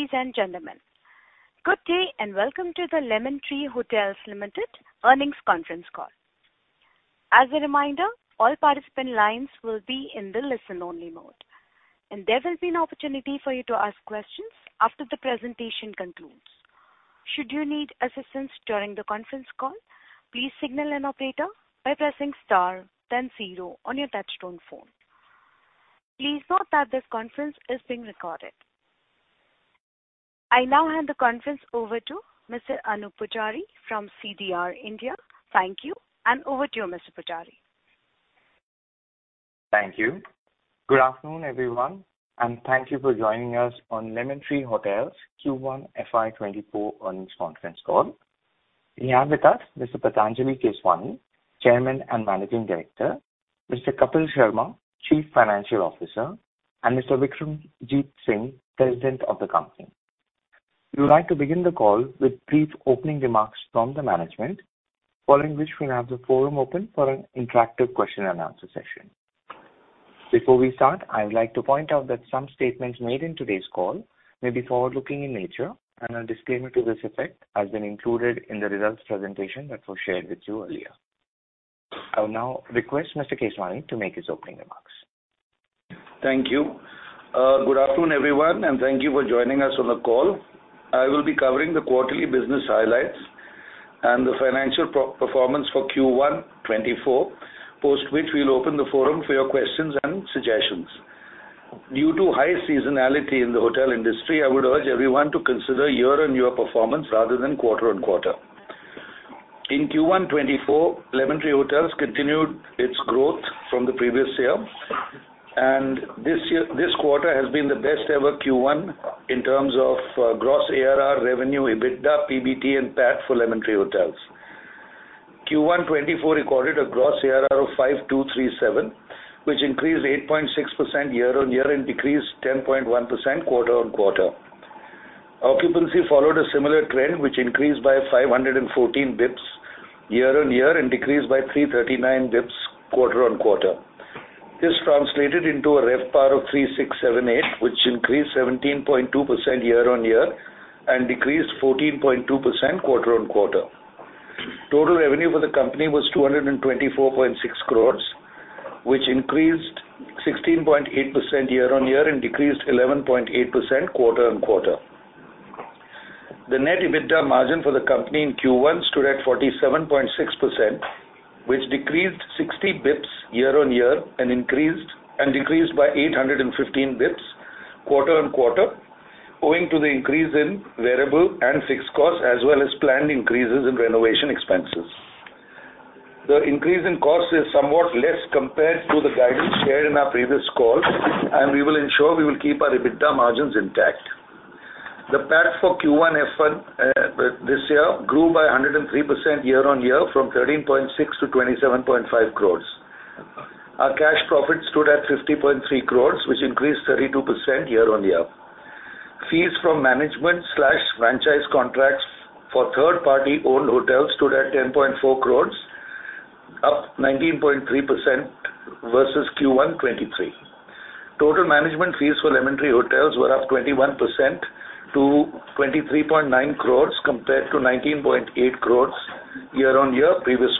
Ladies and gentlemen, good day, and welcome to the Lemon Tree Hotels Limited Earnings Conference Call. As a reminder, all participant lines will be in the listen-only mode, and there will be an opportunity for you to ask questions after the presentation concludes. Should you need assistance during the conference call, please signal an operator by pressing star then zero on your touchtone phone. Please note that this conference is being recorded. I now hand the conference over to Mr. Anoop Poojari from CDR India. Thank you, and over to you, Mr. Poojari. Thank you. Good afternoon, everyone, and thank you for joining us on Lemon Tree Hotels Q1 FY 2024 Earnings Conference Call. We have with us Mr. Patanjali Keswani, Chairman and Managing Director, Mr. Kapil Sharma, Chief Financial Officer, and Mr. Vikramjit Singh, President of the company. We would like to begin the call with brief opening remarks from the Management, following which we'll have the forum open for an interactive question and answer session. Before we start, I would like to point out that some statements made in today's call may be forward-looking in nature, and a disclaimer to this effect has been included in the results presentation that was shared with you earlier. I will now request Mr. Keswani to make his opening remarks. Thank you. good afternoon, everyone, and thank you for joining us on the call. I will be covering the quarterly business highlights and the financial performance for Q1 2024, post which we'll open the forum for your questions and suggestions. Due to high seasonality in the hotel industry, I would urge everyone to consider year-on-year performance rather than quarter-on-quarter. In Q1 2024, Lemon Tree Hotels continued its growth from the previous year, and this quarter has been the best ever Q1 in terms of gross ARR, revenue, EBITDA, PBT and PAT for Lemon Tree Hotels. Q1 2024 recorded a gross ARR of 5,237, which increased 8.6% year-on-year and decreased 10.1% quarter-on-quarter. Occupancy followed a similar trend, which increased by 514 basis points year-on-year and decreased by 339 basis points quarter-on-quarter. This translated into a RevPAR of 3,678, which increased 17.2% year-on-year and decreased 14.2% quarter-on-quarter. Total revenue for the company was 224.6 crore, which increased 16.8% year-on-year and decreased 11.8% quarter-on-quarter. The net EBITDA margin for the company in Q1 stood at 47.6%, which decreased 60 basis points year-on-year and decreased by 815 basis points quarter-on-quarter, owing to the increase in variable and fixed costs, as well as planned increases in renovation expenses. The increase in costs is somewhat less compared to the guidance shared in our previous call, we will ensure we will keep our EBITDA margins intact. The PAT for Q1 FY this year grew by 103% year-on-year from 13.6 crore to 27.5 crore. Our cash profit stood at 50.3 crore, which increased 32% year-on-year. Fees from management slash franchise contracts for third-party owned hotels stood at 10.4 crore, up 19.3% versus Q1 2023. Total management fees for Lemon Tree Hotels were up 21% to 23.9 crore compared to 19.8 crore year-on-year, previous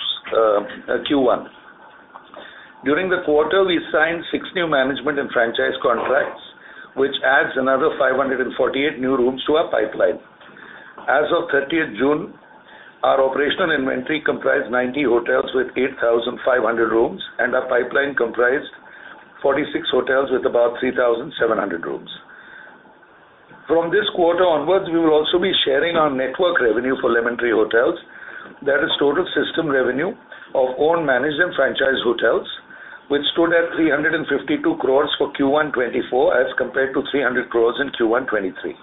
Q1. During the quarter, we signed 6 new management and franchise contracts, which adds another 548 new rooms to our pipeline. As of June 30th, our operational inventory comprised 90 hotels with 8,500 rooms, and our pipeline comprised 46 hotels with about 3,700 rooms. From this quarter onwards, we will also be sharing our network revenue for Lemon Tree Hotels. That is total system revenue of owned, managed and franchised hotels, which stood at 352 crore for Q1 2024, as compared to 300 crore in Q1 2023.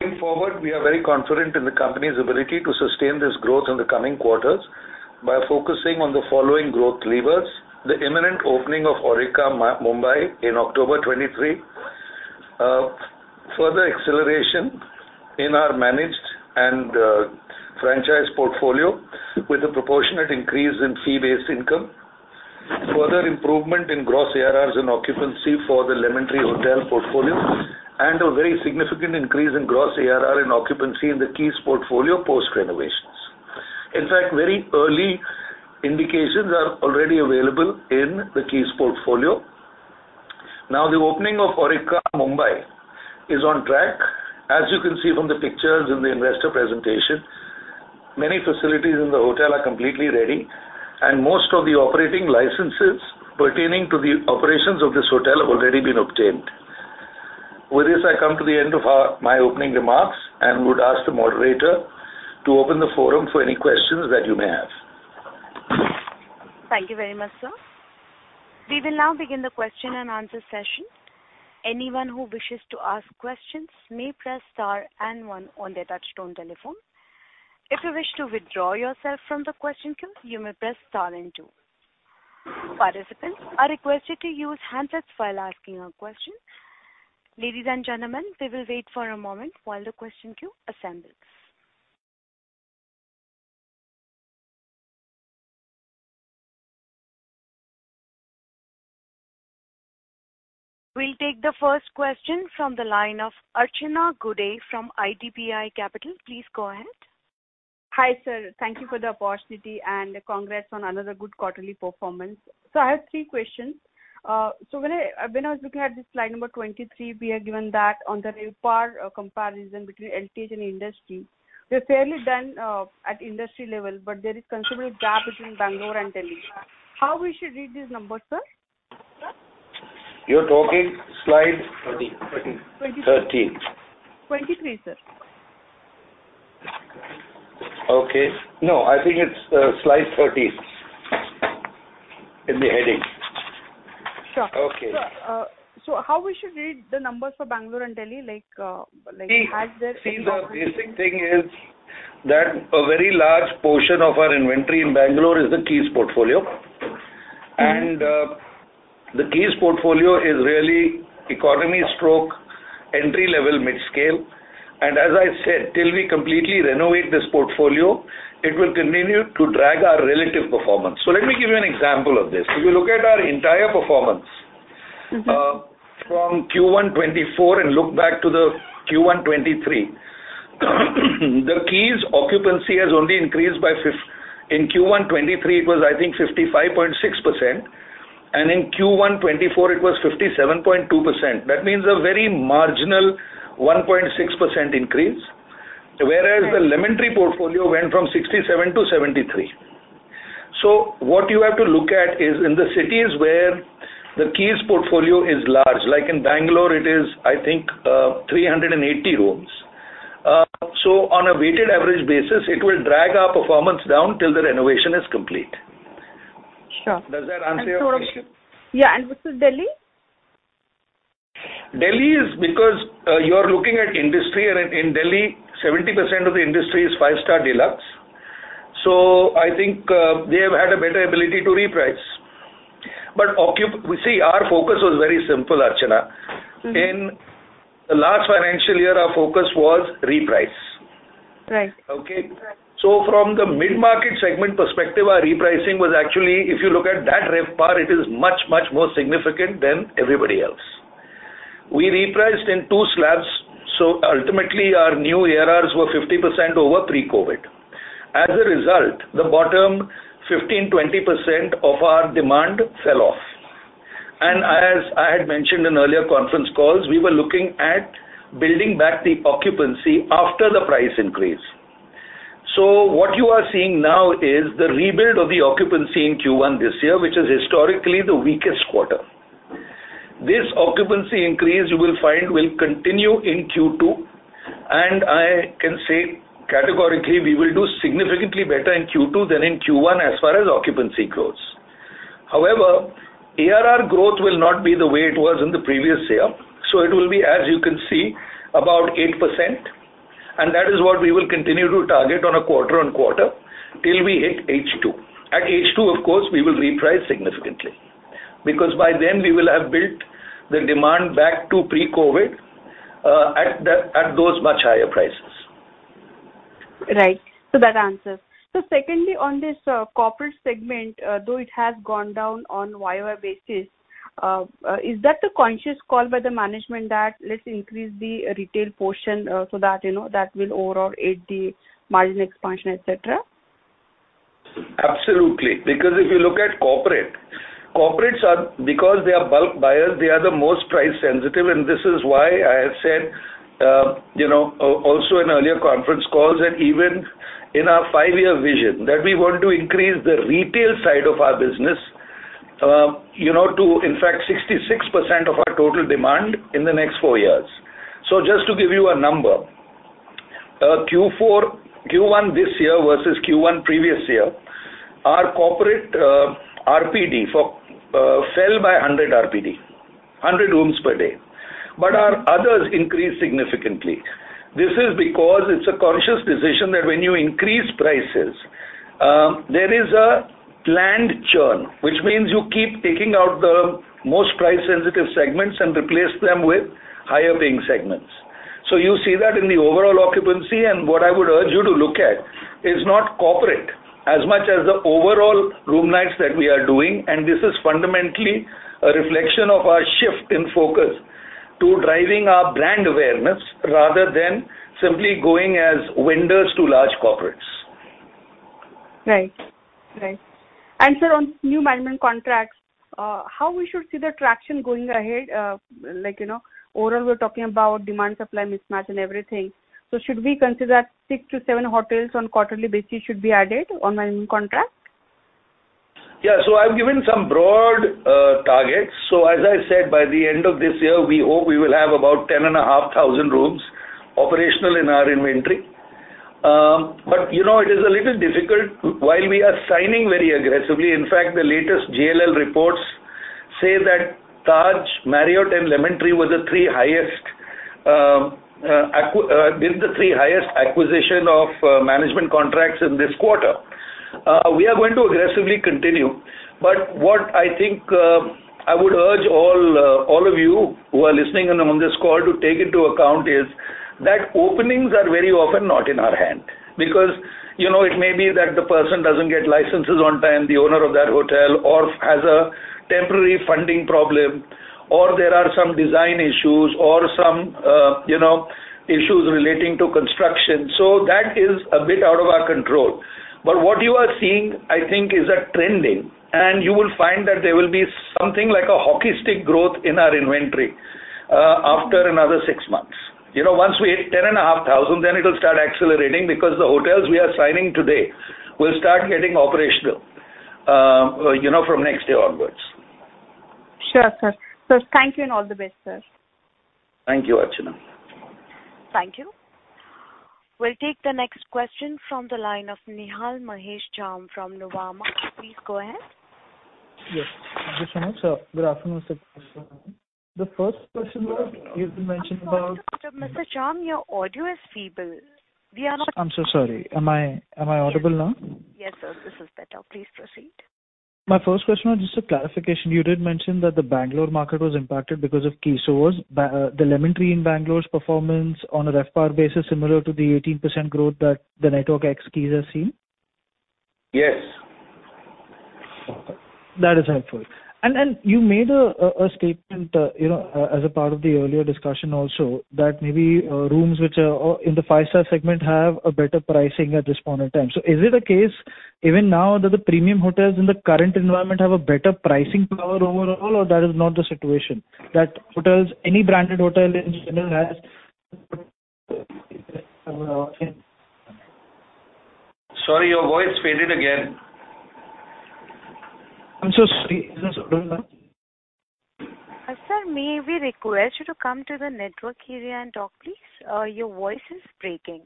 Going forward, we are very confident in the company's ability to sustain this growth in the coming quarters by focusing on the following growth levers: the imminent opening of Aurika, Mumbai Skycity in October 2023, further acceleration in our managed and franchise portfolio with a proportionate increase in fee-based income, further improvement in gross ARRs and occupancy for the Lemon Tree Hotels portfolio, and a very significant increase in gross ARR and occupancy in the Keys portfolio post renovations. In fact, very early indications are already available in the Keys portfolio. Now, the opening of Aurika, Mumbai Skycity is on track. As you can see from the pictures in the investor presentation, many facilities in the hotel are completely ready, and most of the operating licenses pertaining to the operations of this hotel have already been obtained. With this, I come to the end of our, my opening remarks and would ask the moderator to open the forum for any questions that you may have. Thank you very much, sir. We will now begin the question and answer session. Anyone who wishes to ask questions may press star and one on their touchtone telephone. If you wish to withdraw yourself from the question queue, you may press star and two. Participants are requested to use handsets while asking a question. Ladies and gentlemen, we will wait for a moment while the question queue assembles. We'll take the first question from the line of Archana Gude from IDBI Capital. Please go ahead. Hi, sir. Thank you for the opportunity, and congrats on another good quarterly performance. I have three questions. When I, when I was looking at this slide number 23, we are given that on the RevPAR comparison between LTH and industry, we're fairly done, at industry level, but there is considerable gap between Bangalore and Delhi. How we should read these numbers, sir? You're talking slide- 13, 13. 23, sir. Okay. No, I think it's, slide 13 in the heading. Sure. Okay. Sir, how we should read the numbers for Bangalore and Delhi, like? See, the basic thing is that a very large portion of our inventory in Bangalore is the Keys portfolio. Mm-hmm. The Keys portfolio is really economy stroke, entry level, mid-scale. As I said, till we completely renovate this portfolio, it will continue to drag our relative performance. Let me give you an example of this. If you look at our entire performance. Mm-hmm. From Q1 2024 and look back to the Q1 2023, the Keys occupancy has only increased. In Q1 2023, it was, I think, 55.6%, and in Q1 2024, it was 57.2%. That means a very marginal 1.6% increase, whereas the Lemon Tree portfolio went from 67 to 73. What you have to look at is in the cities where the Keys portfolio is large, like in Bangalore, it is, I think, 380 rooms. On a weighted average basis, it will drag our performance down till the renovation is complete. Sure. Does that answer your question? Yeah, what is Delhi? Delhi is because, you are looking at industry, and in Delhi, 70% of the industry is five-star deluxe. occu-- see, our focus was very simple, Archana Gude. Mm-hmm. In the last financial year, our focus was reprice. Right. Okay? From the mid-market segment perspective, our repricing was actually, if you look at that RevPAR, it is much, much more significant than everybody else. We repriced in two slabs, so ultimately our new ARR were 50% over pre-COVID. As a result, the bottom 15%, 20% of our demand fell off. As I had mentioned in earlier conference calls, we were looking at building back the occupancy after the price increase. What you are seeing now is the rebuild of the occupancy in Q1 this year, which is historically the weakest quarter. This occupancy increase, you will find, will continue in Q2, and I can say categorically, we will do significantly better in Q2 than in Q1 as far as occupancy goes. However, ARR growth will not be the way it was in the previous year, so it will be, as you can see, about 8%, and that is what we will continue to target on a quarter-on-quarter till we hit H2. At H2, of course, we will reprice significantly, because by then we will have built the demand back to pre-COVID at those much higher prices. Right. That answers. Secondly, on this, corporate segment, though it has gone down on YoY basis, is that a conscious call by the management that let's increase the retail portion, so that, you know, that will overall aid the margin expansion, et cetera.? Absolutely, because if you look at corporate, corporates are-- because they are bulk buyers, they are the most price sensitive, and this is why I have said, you know, also in earlier conference calls and even in our five-year vision, that we want to increase the retail side of our business, you know, to in fact, 66% of our total demand in the next four years. Just to give you a number, Q4, Q1 this year versus Q1 previous year, our corporate RPD fell by 100 RPD, 100 rooms per day, but our others increased significantly. This is because it's a conscious decision that when you increase prices, there is a planned churn, which means you keep taking out the most price-sensitive segments and replace them with higher paying segments. You see that in the overall occupancy. What I would urge you to look at is not corporate as much as the overall room nights that we are doing. This is fundamentally a reflection of our shift in focus to driving our brand awareness, rather than simply going as vendors to large corporates. Right. Right. Sir, on new management contracts, how we should see the traction going ahead? Like, you know, overall, we're talking about demand, supply, mismatch and everything. Should we consider 6-7 hotels on quarterly basis should be added on management contract? Yeah. I've given some broad targets. As I said, by the end of this year, we hope we will have about 10,500 rooms operational in our inventory. You know, it is a little difficult while we are signing very aggressively. In fact, the latest JLL reports say that Taj, Marriott, and Lemon Tree were the three highest did the three highest acquisition of management contracts in this quarter. We are going to aggressively continue, but what I think, I would urge all of you who are listening in on this call to take into account is that openings are very often not in our hand. You know, it may be that the person doesn't get licenses on time, the owner of that hotel, or has a temporary funding problem, or there are some design issues or some, you know, issues relating to construction. That is a bit out of our control. What you are seeing, I think, is a trending, and you will find that there will be something like a hockey stick growth in our inventory after another six months. You know, once we hit 10,500, it will start accelerating because the hotels we are signing today will start getting operational, you know, from next year onwards. Sure, sir. Sir, thank you. All the best, sir. Thank you, Archana. Thank you. We'll take the next question from the line of Nihal Mahesh Jham from Nuvama. Please go ahead. Yes. Good afternoon, sir. Good afternoon, sir. The first question was, you mentioned about- I'm sorry, Mr. Jham, your audio is feeble. We are not- I'm so sorry. Am I, am I audible now? Yes, sir, this is better. Please proceed. My first question was just a clarification. You did mention that the Bangalore market was impacted because of Keys sources. The Lemon Tree in Bangalore's performance on a RevPAR basis, similar to the 18% growth that the Network X Keys has seen? Yes. That is helpful. You made a, a statement, you know, as a part of the earlier discussion also, that maybe, rooms which are in the five-star segment have a better pricing at this point in time. Is it a case, even now, that the premium hotels in the current environment have a better pricing power overall, or that is not the situation? That hotels, any branded hotel in general has Sorry, your voice faded again. I'm so sorry. Sir, may we request you to come to the network area and talk, please? Your voice is breaking.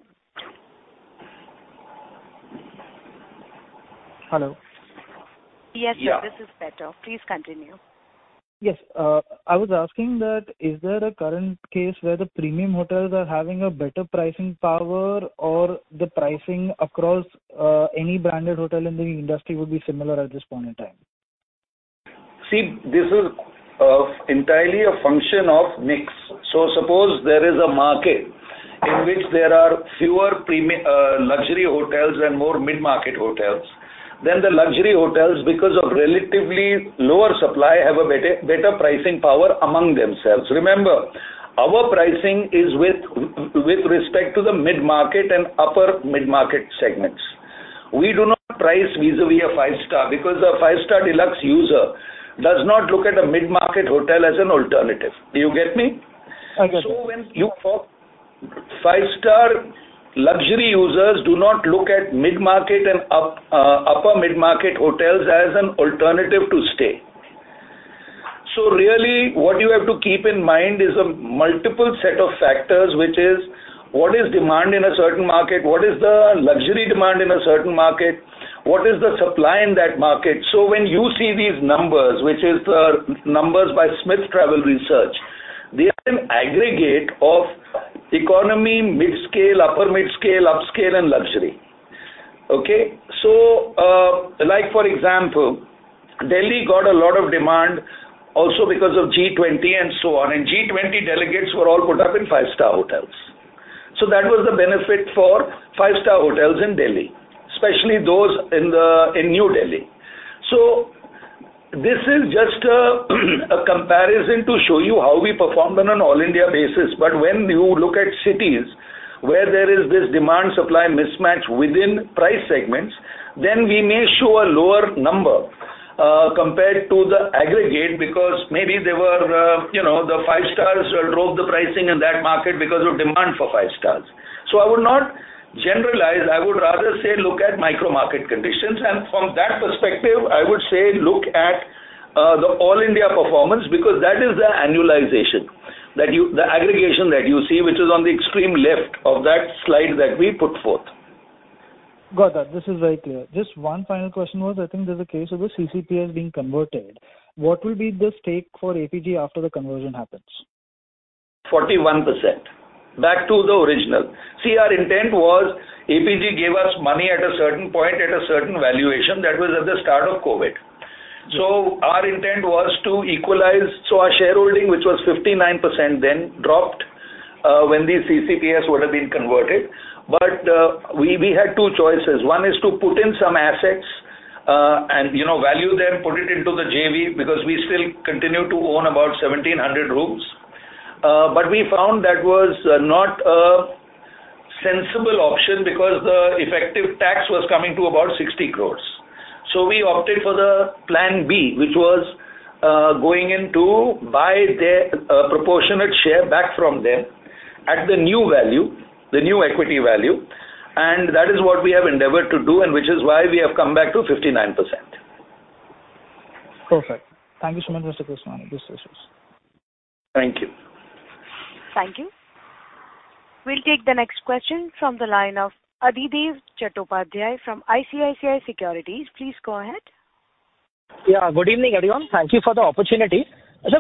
Hello. Yes, sir, this is better. Please continue. Yes, I was asking that is there a current case where the premium hotels are having a better pricing power, or the pricing across, any branded hotel in the industry would be similar at this point in time? This is entirely a function of mix. Suppose there is a market in which there are fewer luxury hotels and more mid-market hotels, then the luxury hotels, because of relatively lower supply, have a better, better pricing power among themselves. Remember, our pricing is with respect to the mid-market and upper mid-market segments. We do not price vis-a-vis a five-star, because the five-star deluxe user does not look at a mid-market hotel as an alternative. Do you get me? I get you. When you Five-star luxury users do not look at mid-market and up, upper mid-market hotels as an alternative to stay. Really, what you have to keep in mind is a multiple set of factors, which is: what is demand in a certain market? What is the luxury demand in a certain market? What is the supply in that market? When you see these numbers, which is the numbers by Smith Travel Research, they are an aggregate of economy, mid-scale, upper mid-scale, upscale, and luxury. Okay? Like, for example, Delhi got a lot of demand also because of G20 and so on, and G20 delegates were all put up in five-star hotels. That was the benefit for five-star hotels in Delhi, especially those in the, in New Delhi. This is just a comparison to show you how we performed on an all-India basis. When you look at cities where there is this demand-supply mismatch within price segments, then we may show a lower number compared to the aggregate, because maybe they were, you know, the five-stars drove the pricing in that market because of demand for five-stars. I would not generalize. I would rather say, look at micro-market conditions, and from that perspective, I would say, look at the all-India performance, because that is the annualization, the aggregation that you see, which is on the extreme left of that slide that we put forth. Got that. This is very clear. Just one final question was, I think there's a case of the CCPS being converted. What will be the stake for APG after the conversion happens? 41%, back to the original. See, our intent was APG gave us money at a certain point, at a certain valuation, that was at the start of COVID. Our intent was to equalize. Our shareholding, which was 59% then, dropped when the CCPS would have been converted. We had two choices. One is to put in some assets and, you know, value them, put it into the JV, because we still continue to own about 1,700 rooms. But we found that was not a sensible option because the effective tax was coming to about 60 crore. We opted for the plan B, which was going in to buy their proportionate share back from them at the new value, the new equity value. That is what we have endeavored to do, and which is why we have come back to 59%. Perfect. Thank you so much, Mr. Keswani. Best wishes. Thank you. Thank you. We'll take the next question from the line of Adhidev Chattopadhyay from ICICI Securities. Please go ahead. Yeah, good evening, everyone. Thank you for the opportunity.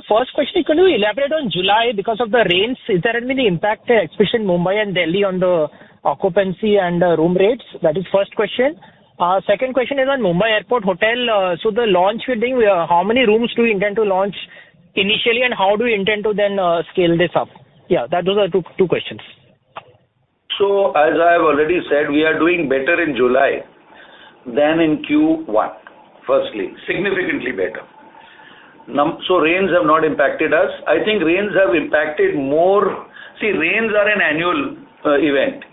First question, could you elaborate on July because of the rains, is there any impact, especially in Mumbai and Delhi, on the occupancy and room rates? That is first question. Second question is on Mumbai Airport Hotel. The launch you're doing, how many rooms do you intend to launch initially, and how do you intend to then, scale this up? Yeah, those are the 2, 2 questions. As I have already said, we are doing better in July than in Q1, firstly, significantly better. Rains have not impacted us. I think rains have impacted. See, rains are an annual event.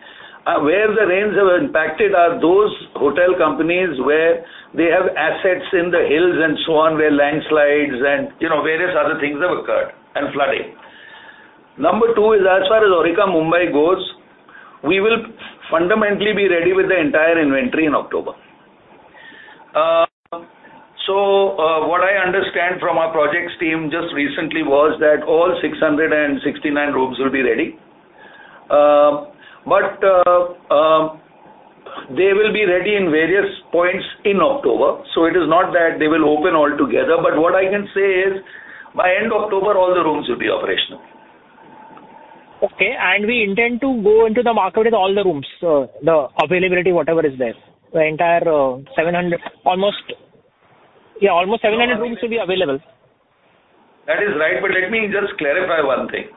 Where the rains have impacted are those hotel companies where they have assets in the hills and so on, where landslides and, you know, various other things have occurred, and flooding. Number two is, as far as Aurika, Mumbai Skycity goes, we will fundamentally be ready with the entire inventory in October. What I understand from our projects team just recently was that all 669 rooms will be ready, but they will be ready in various points in October. It is not that they will open all together, but what I can say is, by end October, all the rooms will be operational. Okay, we intend to go into the market with all the rooms, the availability, whatever is there, the entire, 700, Yeah, almost 700 rooms will be available. That is right, but let me just clarify one thing.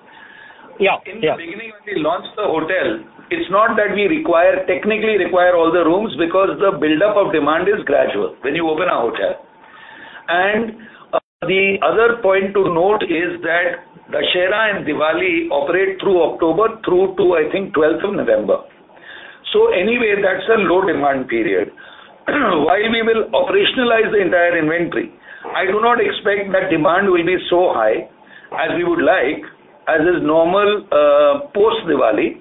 Yeah, yeah. In the beginning, when we launched the hotel, it's not that we require, technically require all the rooms, because the buildup of demand is gradual when you open a hotel. The other point to note is that Dussehra and Diwali operate through October through to, I think, twelfth of November. Anyway, that's a low demand period. While we will operationalize the entire inventory, I do not expect that demand will be so high as we would like, as is normal, post-Diwali.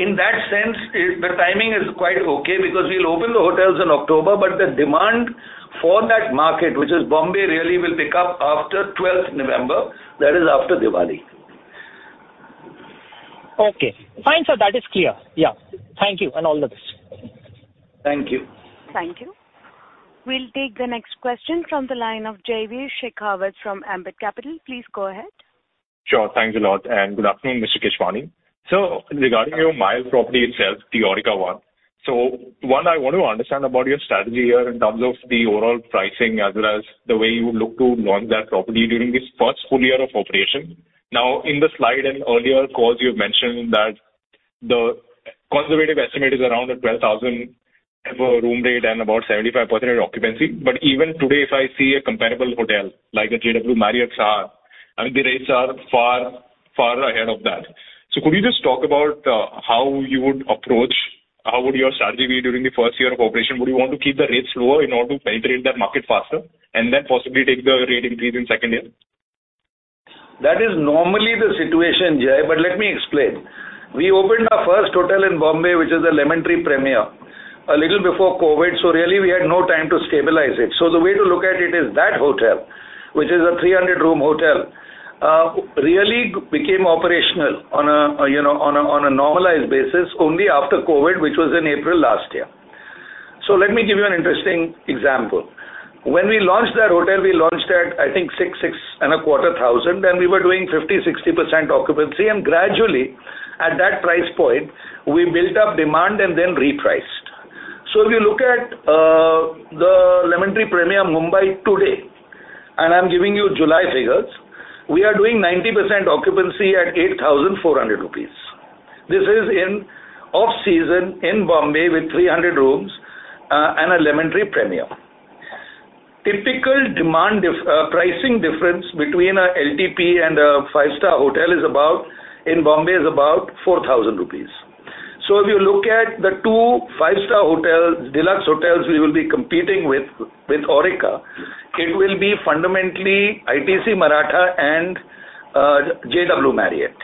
In that sense, the timing is quite okay because we'll open the hotels in October, but the demand for that market, which is Bombay, really will pick up after twelfth November. That is after Diwali. Okay, fine, sir. That is clear. Yeah. Thank you, and all the best. Thank you. Thank you. We'll take the next question from the line of Jaivir Shekhawat from Ambit Capital. Please go ahead. Sure. Thanks a lot, and good afternoon, Mr. Keswani. Regarding your Mumbai property itself, the Aurika one, I want to understand about your strategy here in terms of the overall pricing, as well as the way you look to launch that property during this first full year of operation. Now, in the slide and earlier calls, you've mentioned that the conservative estimate is around the 12,000 for room rate and about 75% occupancy. Even today, if I see a comparable hotel, like a JW Marriott, I mean, the rates are far, far ahead of that. Could you just talk about how you would approach, how would your strategy be during the first year of operation? Would you want to keep the rates lower in order to penetrate that market faster and then possibly take the rate increase in second year? That is normally the situation, Jai, but let me explain. We opened our first hotel in Bombay, which is the Lemon Tree Premier, a little before COVID, so really, we had no time to stabilize it. The way to look at it is that hotel, which is a 300-room hotel, really became operational on a, you know, on a, on a normalized basis only after COVID, which was in April last year. Let me give you an interesting example. When we launched that hotel, we launched at, I think, 6,000, 6,250, and we were doing 50%-60% occupancy, and gradually, at that price point, we built up demand and then repriced. If you look at the Lemon Tree Premier Mumbai today, and I'm giving you July figures, we are doing 90% occupancy at 8,400 rupees. This is in off-season in Bombay with 300 rooms and a Lemon Tree Premier. Typical demand diff pricing difference between a LTP and a 5-star hotel is about, in Bombay, is about 4,000 rupees. If you look at the 2 five-star hotels, deluxe hotels we will be competing with, with Aurika, it will be fundamentally ITC Maratha and JW Marriott.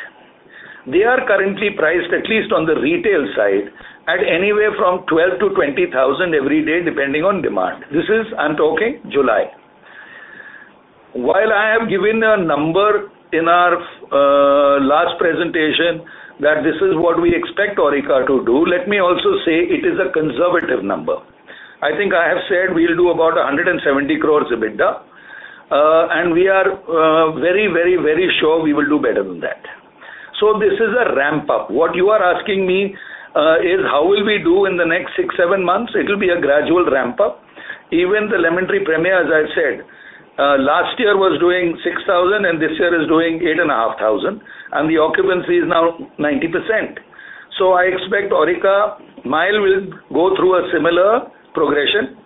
They are currently priced, at least on the retail side, at anywhere from 12,000-20,000 every day, depending on demand. This is, I'm talking July. While I have given a number in our last presentation, that this is what we expect Aurika to do, let me also say it is a conservative number. I think I have said we will do about 170 crore EBITDA, and we are very, very, very sure we will do better than that. This is a ramp-up. What you are asking me is how will we do in the next six, seven months? It will be a gradual ramp-up. Even the Lemon Tree Premier, as I said, last year was doing 6,000, and this year is doing 8,500, and the occupancy is now 90%. I expect Aurika, Mumbai Skycity will go through a similar progression,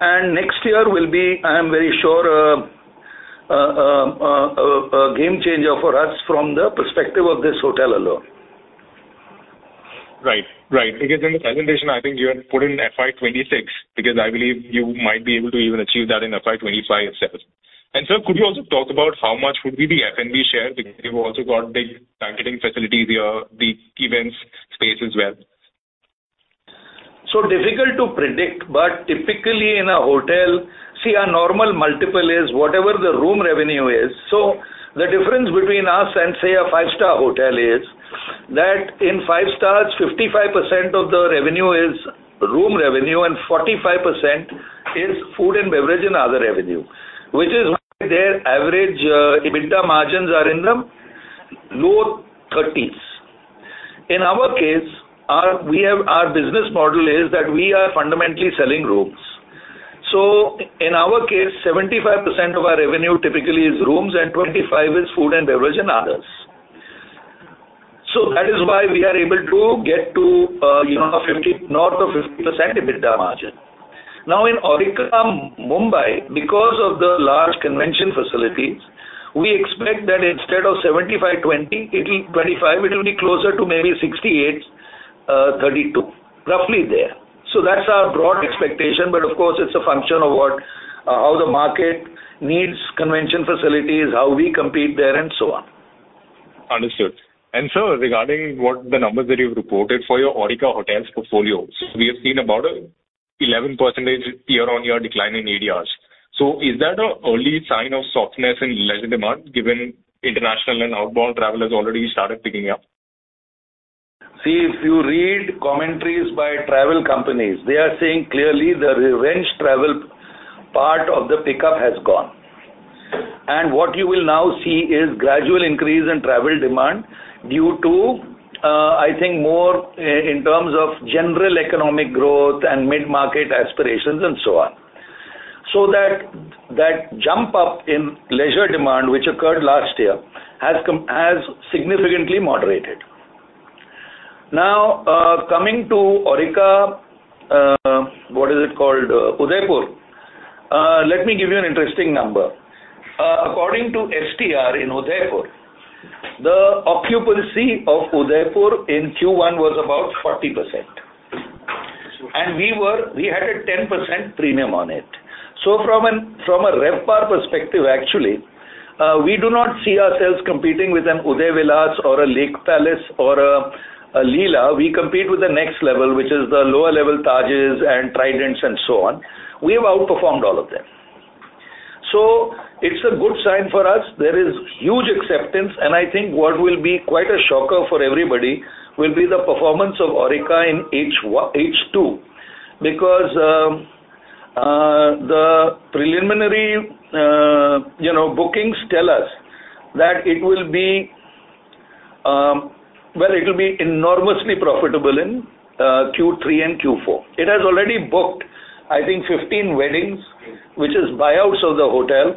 and next year will be, I am very sure, a game changer for us from the perspective of this hotel alone. Right. Right, in the presentation, I think you had put in FY 2026, because I believe you might be able to even achieve that in FY 2025 itself. Sir, could you also talk about how much would be the F&B share? You've also got big banqueting facilities here, the events space as well. Difficult to predict, but typically in a hotel, our normal multiple is whatever the room revenue is. The difference between us and, say, a five-star hotel is that in five stars, 55% of the revenue is room revenue and 45% is food and beverage and other revenue, which is why their average EBITDA margins are in the low 30s. In our case, our business model is that we are fundamentally selling rooms. In our case, 75% of our revenue typically is rooms, and 25 is food and beverage and others. That is why we are able to get to, you know, 50, north of 50% EBITDA margin. In Aurika, Mumbai, because of the large convention facilities, we expect that instead of 75, 20, it will-- 25, it will be closer to maybe 68, 32, roughly there. That's our broad expectation, but of course, it's a function of what, how the market needs convention facilities, how we compete there, and so on. Understood. Sir, regarding what the numbers that you've reported for your Aurika Hotels portfolio, we have seen about 11% year-on-year decline in ADRs. Is that an early sign of softness in leisure demand, given international and outbound travelers already started picking up? See, if you read commentaries by travel companies, they are saying clearly the revenge travel part of the pickup has gone. What you will now see is gradual increase in travel demand due to, I think, more in terms of general economic growth and mid-market aspirations, and so on. That, that jump up in leisure demand, which occurred last year, has significantly moderated. Now, coming to Aurika, what is it called? Udaipur. Let me give you an interesting number. According to STR in Udaipur, the occupancy of Udaipur in Q1 was about 40%, and we had a 10% premium on it. From a RevPAR perspective, actually, we do not see ourselves competing with an Udaipur Villas or a Lake Palace or a Leela. We compete with the next level, which is the lower level Tajes and Tridents and so on. We have outperformed all of them. It's a good sign for us. There is huge acceptance, and I think what will be quite a shocker for everybody will be the performance of Aurika in H1-- H2, because the preliminary, you know, bookings tell us that it will be, well, it will be enormously profitable in Q3 and Q4. It has already booked, I think, 15 weddings, which is buyouts of the hotel,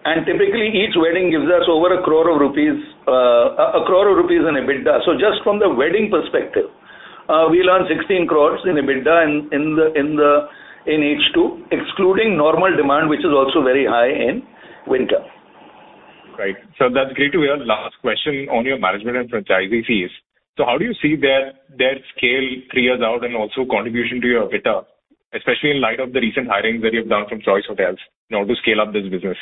and typically, each wedding gives us over 1 crore rupees, 1 crore rupees in EBITDA. Just from the wedding perspective, we learned 16 crore in EBITDA in H2, excluding normal demand, which is also very high in winter. Right. That's great to hear. Last question on your management and franchisee fees. How do you see their, their scale three years out and also contribution to your EBITDA, especially in light of the recent hirings that you've done from Choice Hotels, in order to scale up this business?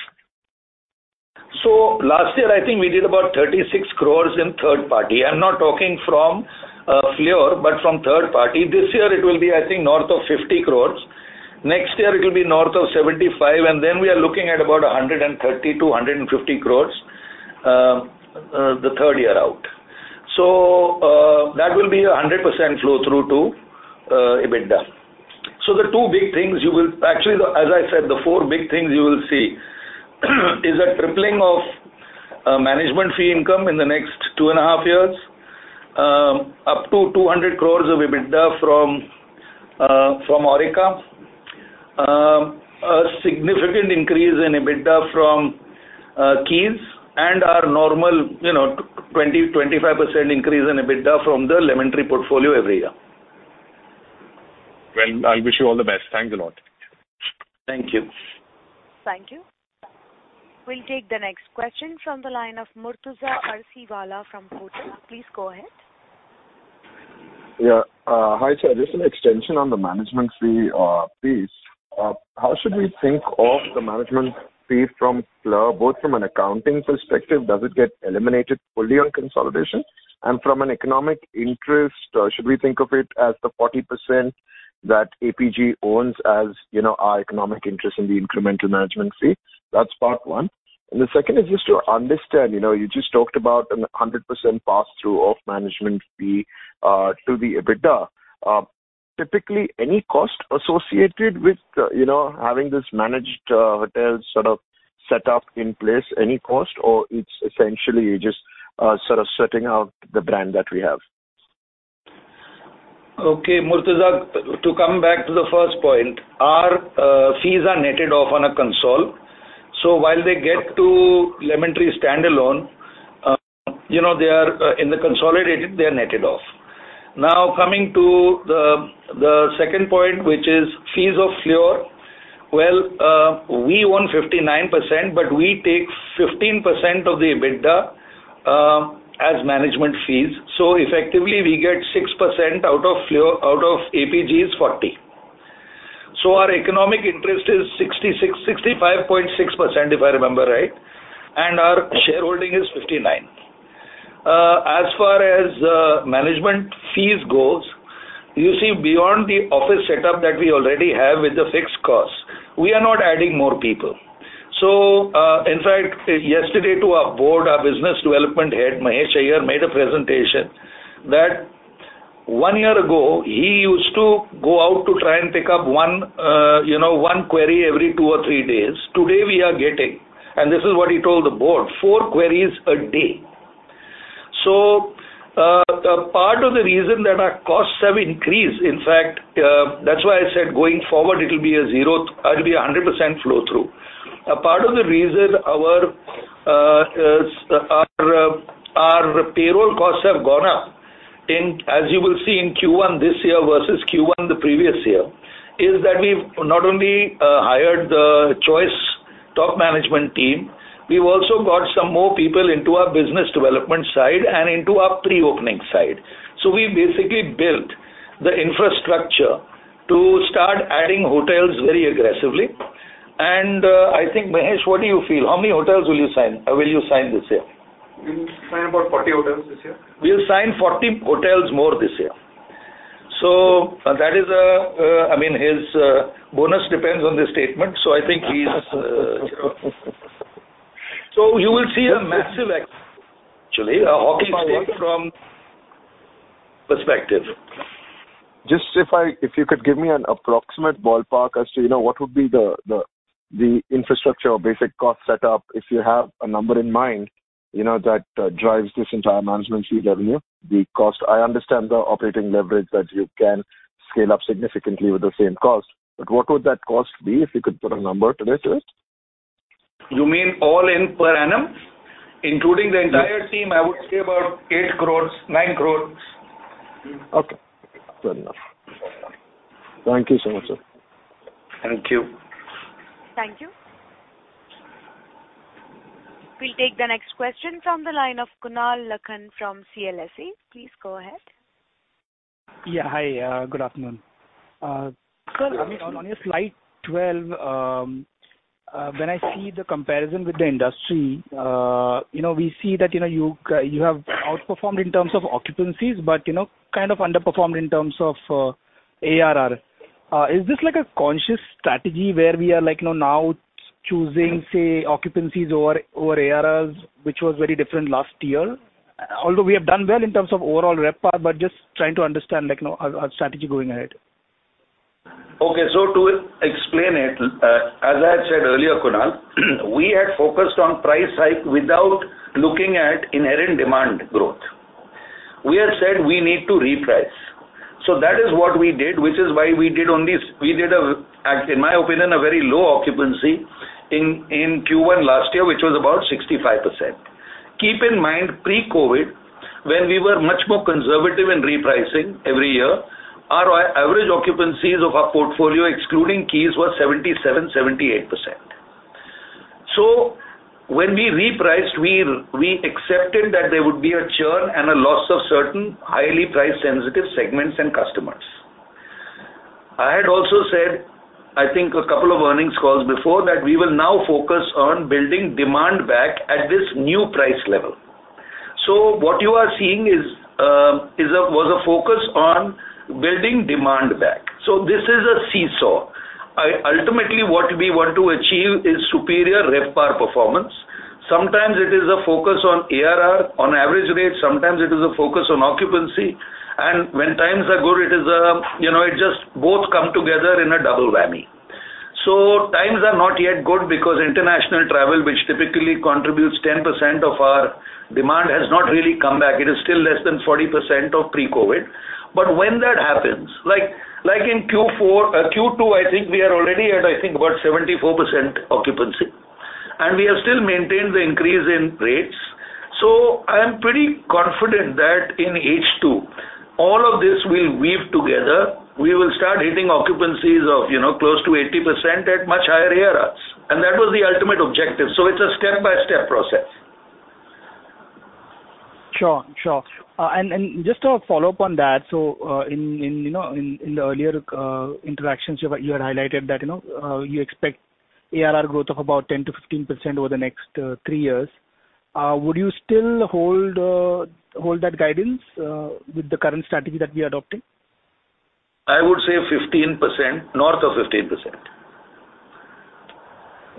Last year, I think we did about 36 crore in third party. I'm not talking from Fleur, but from third party. This year it will be, I think, north of 50 crore. Next year, it will be north of 75 crore, and then we are looking at about 130-150 crore the third year out. That will be a 100% flow through to EBITDA. The two big things you will... Actually, as I said, the four big things you will see, is a tripling of management fee income in the next 2.5 years, up to 200 crore of EBITDA from Aurika, a significant increase in EBITDA from Keys and our normal, you know, 20%-25% increase in EBITDA from the Lemon Tree portfolio every year. Well, I wish you all the best. Thanks a lot. Thank you. Thank you. We'll take the next question from the line of Murtuza Kharsiwala from Kotak. Please go ahead. Yeah. Hi, sir. Just an extension on the management fee, please. How should we think of the management fee from Fleur, both from an accounting perspective, does it get eliminated fully on consolidation? From an economic interest, should we think of it as the 40% that APG owns, as you know, our economic interest in the incremental management fee? That's part one. The second is just to understand, you know, you just talked about an 100% pass-through of management fee to the EBITDA. Typically, any cost associated with, you know, having this managed hotels sort of set up in place, any cost, or it's essentially just sort of setting out the brand that we have? Okay, Murtuza, to come back to the first point, our fees are netted off on a console. While they get to Lemon Tree standalone, you know, they are in the consolidated, they are netted off. Now, coming to the second point, which is fees of Fleur. Well, we own 59%, but we take 15% of the EBITDA as management fees. Effectively, we get 6% out of Fleur, out of APG's 40. Our economic interest is 66, 65.6%, if I remember right, and our shareholding is 59. As far as management fees goes, you see, beyond the office setup that we already have with the fixed costs, we are not adding more people. In fact, yesterday to our board, our business development head, Mahesh Aiyer, made a presentation. One year ago, he used to go out to try and pick up one, you know, one query every two or three days. Today, we are getting, and this is what he told the board, four queries a day. A part of the reason that our costs have increased, in fact, that's why I said, going forward, it'll be a zero-- it'll be a 100% flow through. A part of the reason our, our payroll costs have gone up in, as you will see in Q1 this year versus Q1 the previous year, is that we've not only hired the Choice top management team, we've also got some more people into our business development side and into our pre-opening side. We basically built the infrastructure to start adding hotels very aggressively. I think, Mahesh, what do you feel? How many hotels will you sign this year? We will sign about 40 hotels this year. We'll sign 40 hotels more this year. That is, I mean, his bonus depends on this statement, I think he's. You will see a massive, actually, a hockey stick from perspective. Just if you could give me an approximate ballpark as to, you know, what would be the, the, the infrastructure or basic cost set up, if you have a number in mind, you know, that drives this entire management fee revenue, the cost? I understand the operating leverage, that you can scale up significantly with the same cost, but what would that cost be, if you could put a number to this list? You mean all in per annum? Including the entire team- Yes. I would say about 8 crore-9 crore. Okay, fair enough. Thank you so much, sir. Thank you. Thank you. We'll take the next question from the line of Kunal Lakhan from CLSA. Please go ahead. Yeah, hi, good afternoon. Sir, I mean, on, on your slide 12, when I see the comparison with the industry, you know, we see that, you know, you have outperformed in terms of occupancies, but, you know, kind of underperformed in terms of ARR. Is this like a conscious strategy where we are like, you know, now choosing, say, occupancies over, over ARRs, which was very different last year? Although we have done well in terms of overall RevPAR, but just trying to understand, like, you know, our, our strategy going ahead. To explain it, as I had said earlier, Kunal, we had focused on price hike without looking at inherent demand growth. We had said we need to reprice. That is what we did, which is why we did, in my opinion, a very low occupancy in Q1 last year, which was about 65%. Keep in mind, pre-COVID, when we were much more conservative in repricing every year, our average occupancies of our portfolio, excluding Keys, were 77%-78%. When we repriced, we, we accepted that there would be a churn and a loss of certain highly price-sensitive segments and customers. I had also said, I think a couple of earnings calls before, that we will now focus on building demand back at this new price level. What you are seeing is, is a, was a focus on building demand back. This is a seesaw. Ultimately, what we want to achieve is superior RevPAR performance. Sometimes it is a focus on ARR, on average rate, sometimes it is a focus on occupancy, and when times are good, it is, you know, it just both come together in a double whammy. Times are not yet good because international travel, which typically contributes 10% of our demand, has not really come back. It is still less than 40% of pre-COVID. But when that happens, like, like in Q4, Q2, I think we are already at, I think, about 74% occupancy, and we have still maintained the increase in rates. I am pretty confident that in H2, all of this will weave together. We will start hitting occupancies of, you know, close to 80% at much higher ARRs, and that was the ultimate objective. It's a step-by-step process. Sure, sure. Just to follow up on that, in, in, you know, in, in the earlier, interactions, you, you had highlighted that, you know, you expect ARR growth of about 10%-15% over the next, three years. Would you still hold, hold that guidance, with the current strategy that we are adopting? I would say 15%, north of 15%.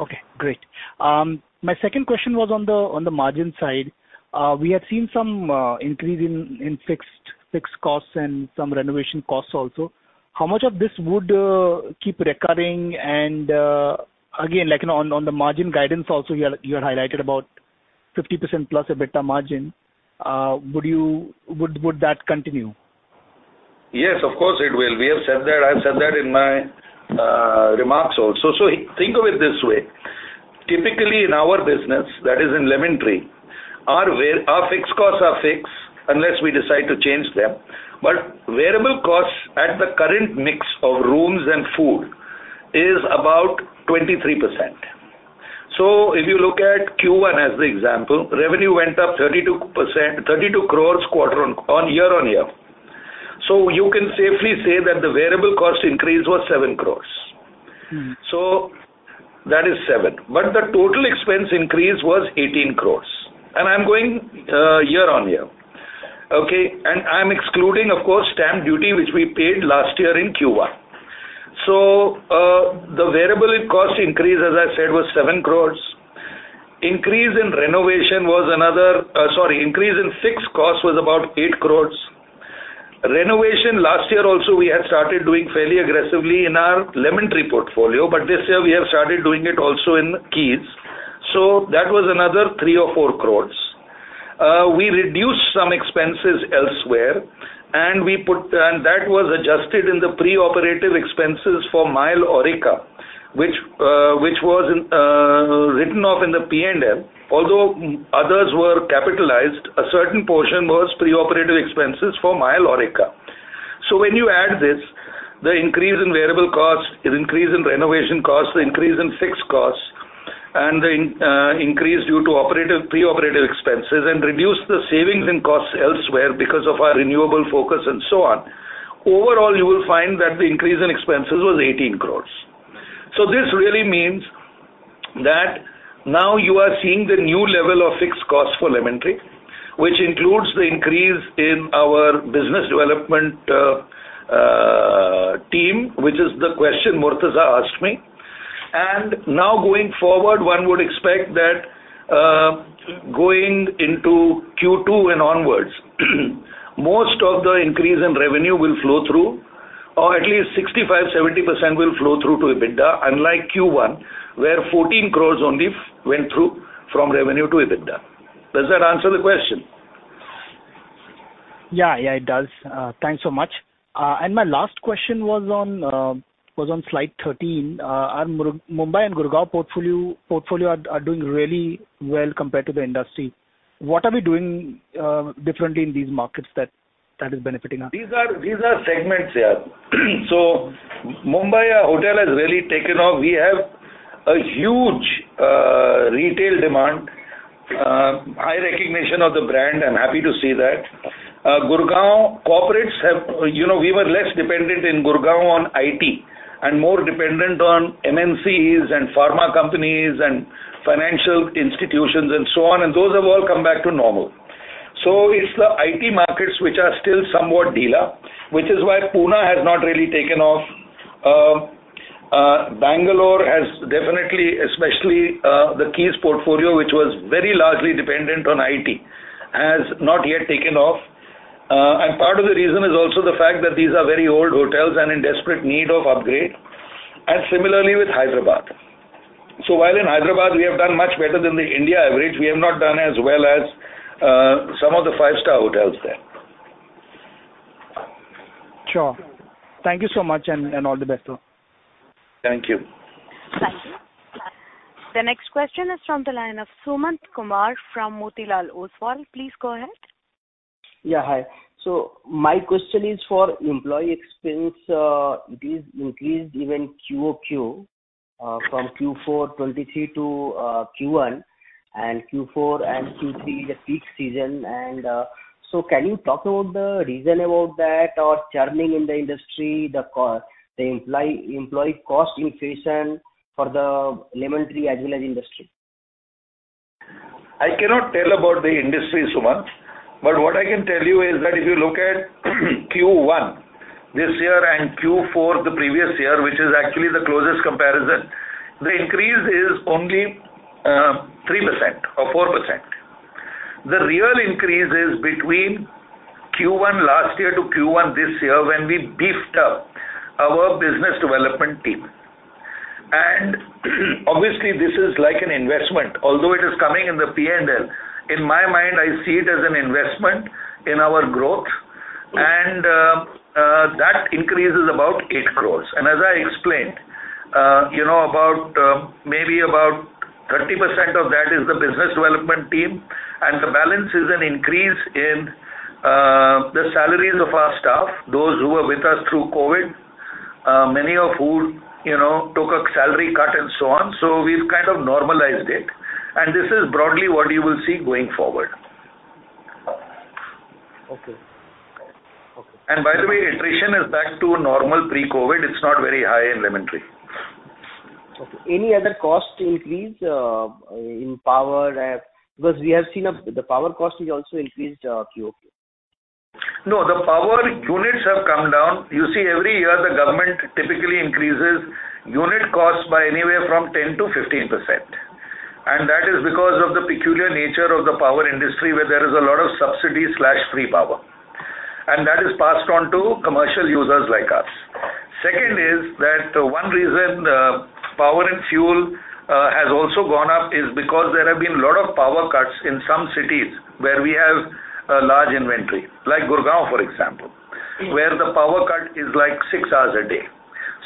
Okay, great. My second question was on the, on the margin side. We had seen some increase in, in fixed, fixed costs and some renovation costs also. How much of this would keep recurring? Again, like, you know, on, on the margin guidance also, you, you had highlighted about 50% plus EBITDA margin. Would you... Would, would that continue? Yes, of course, it will. We have said that. I've said that in my remarks also. Think of it this way: typically in our business, that is in Lemon Tree, our wear, our fixed costs are fixed unless we decide to change them, but variable costs at the current mix of rooms and food is about 23%. If you look at Q1 as the example, revenue went up 32%, 32 crore quarter on year-on-year. You can safely say that the variable cost increase was 7 crore. Mm. That is 7. The total expense increase was 18 crore, and I'm going year-on-year. I'm excluding, of course, stamp duty, which we paid last year in Q1. The variable cost increase, as I said, was 7 crore. increase in renovation was another, sorry, increase in fixed cost was about 8 crore. Renovation, last year also, we had started doing fairly aggressively in our Lemon Tree portfolio, but this year we have started doing it also in Keys. That was another 3 or 4 crore. We reduced some expenses elsewhere, and that was adjusted in the pre-operative expenses for Aurika, which was written off in the P&L. Although others were capitalized, a certain portion was pre-operative expenses for Aurika. When you add this, the increase in variable costs, the increase in renovation costs, the increase in fixed costs, and the increase due to operative, pre-operative expenses, and reduce the savings in costs elsewhere because of our renewable focus and so on. Overall, you will find that the increase in expenses was 18 crore. This really means that now you are seeing the new level of fixed costs for Lemon Tree, which includes the increase in our business development team, which is the question Murtuza asked me. Now, going forward, one would expect that going into Q2 and onwards, most of the increase in revenue will flow through, or at least 65%-70% will flow through to EBITDA, unlike Q1, where 14 crore only went through from revenue to EBITDA. Does that answer the question? Yeah, yeah, it does. Thanks so much. My last question was on slide 13. Our Mumbai and Gurgaon portfolio are, are doing really well compared to the industry. What are we doing differently in these markets that, that is benefiting us? These are, these are segments, yeah. Mumbai hotel has really taken off. We have a huge retail demand, high recognition of the brand. I'm happy to see that. Gurgaon, corporates have... You know, we were less dependent in Gurgaon on IT and more dependent on MNCs and pharma companies and financial institutions and so on, and those have all come back to normal. It's the IT markets, which are still somewhat dealer, which is why Pune has not really taken off. Bangalore has definitely, especially, the Keys portfolio, which was very largely dependent on IT, has not yet taken off. Part of the reason is also the fact that these are very old hotels and in desperate need of upgrade, and similarly with Hyderabad. while in Hyderabad, we have done much better than the India average, we have not done as well as some of the five-star hotels there. Sure. Thank you so much, and all the best to all. Thank you. Thank you. The next question is from the line of Sumanth Kumar from Motilal Oswal. Please go ahead. Yeah, hi. My question is for employee experience, it is increased even QoQ from Q4 2023 to Q1, and Q4 and Q3 is a peak season. Can you talk about the reason about that or churning in the industry, the employee cost inflation for the Lemon Tree as well as industry? I cannot tell about the industry, Sumanth, but what I can tell you is that if you look at Q1 this year and Q4 the previous year, which is actually the closest comparison, the increase is only 3% or 4%. The real increase is between Q1 last year to Q1 this year, when we beefed up our business development team. Obviously, this is like an investment, although it is coming in the P&L. In my mind, I see it as an investment in our growth, and that increase is about 8 crore. As I explained, you know, about, maybe about 30% of that is the business development team, and the balance is an increase in, the salaries of our staff, those who were with us through COVID, many of who, you know, took a salary cut and so on. We've kind of normalized it, and this is broadly what you will see going forward. Okay. Okay. By the way, attrition is back to normal Pre-COVID. It's not very high in Lemon Tree. Okay. Any other cost increase in power? Because we have seen the power cost is also increased, QoQ. No, the power units have come down. You see, every year, the government typically increases unit costs by anywhere from 10%-15%. That is because of the peculiar nature of the power industry, where there is a lot of subsidy/free power, and that is passed on to commercial users like us. Second is that one reason, power and fuel has also gone up is because there have been a lot of power cuts in some cities where we have a large inventory, like Gurgaon, for example, where the power cut is like 6 hours a day.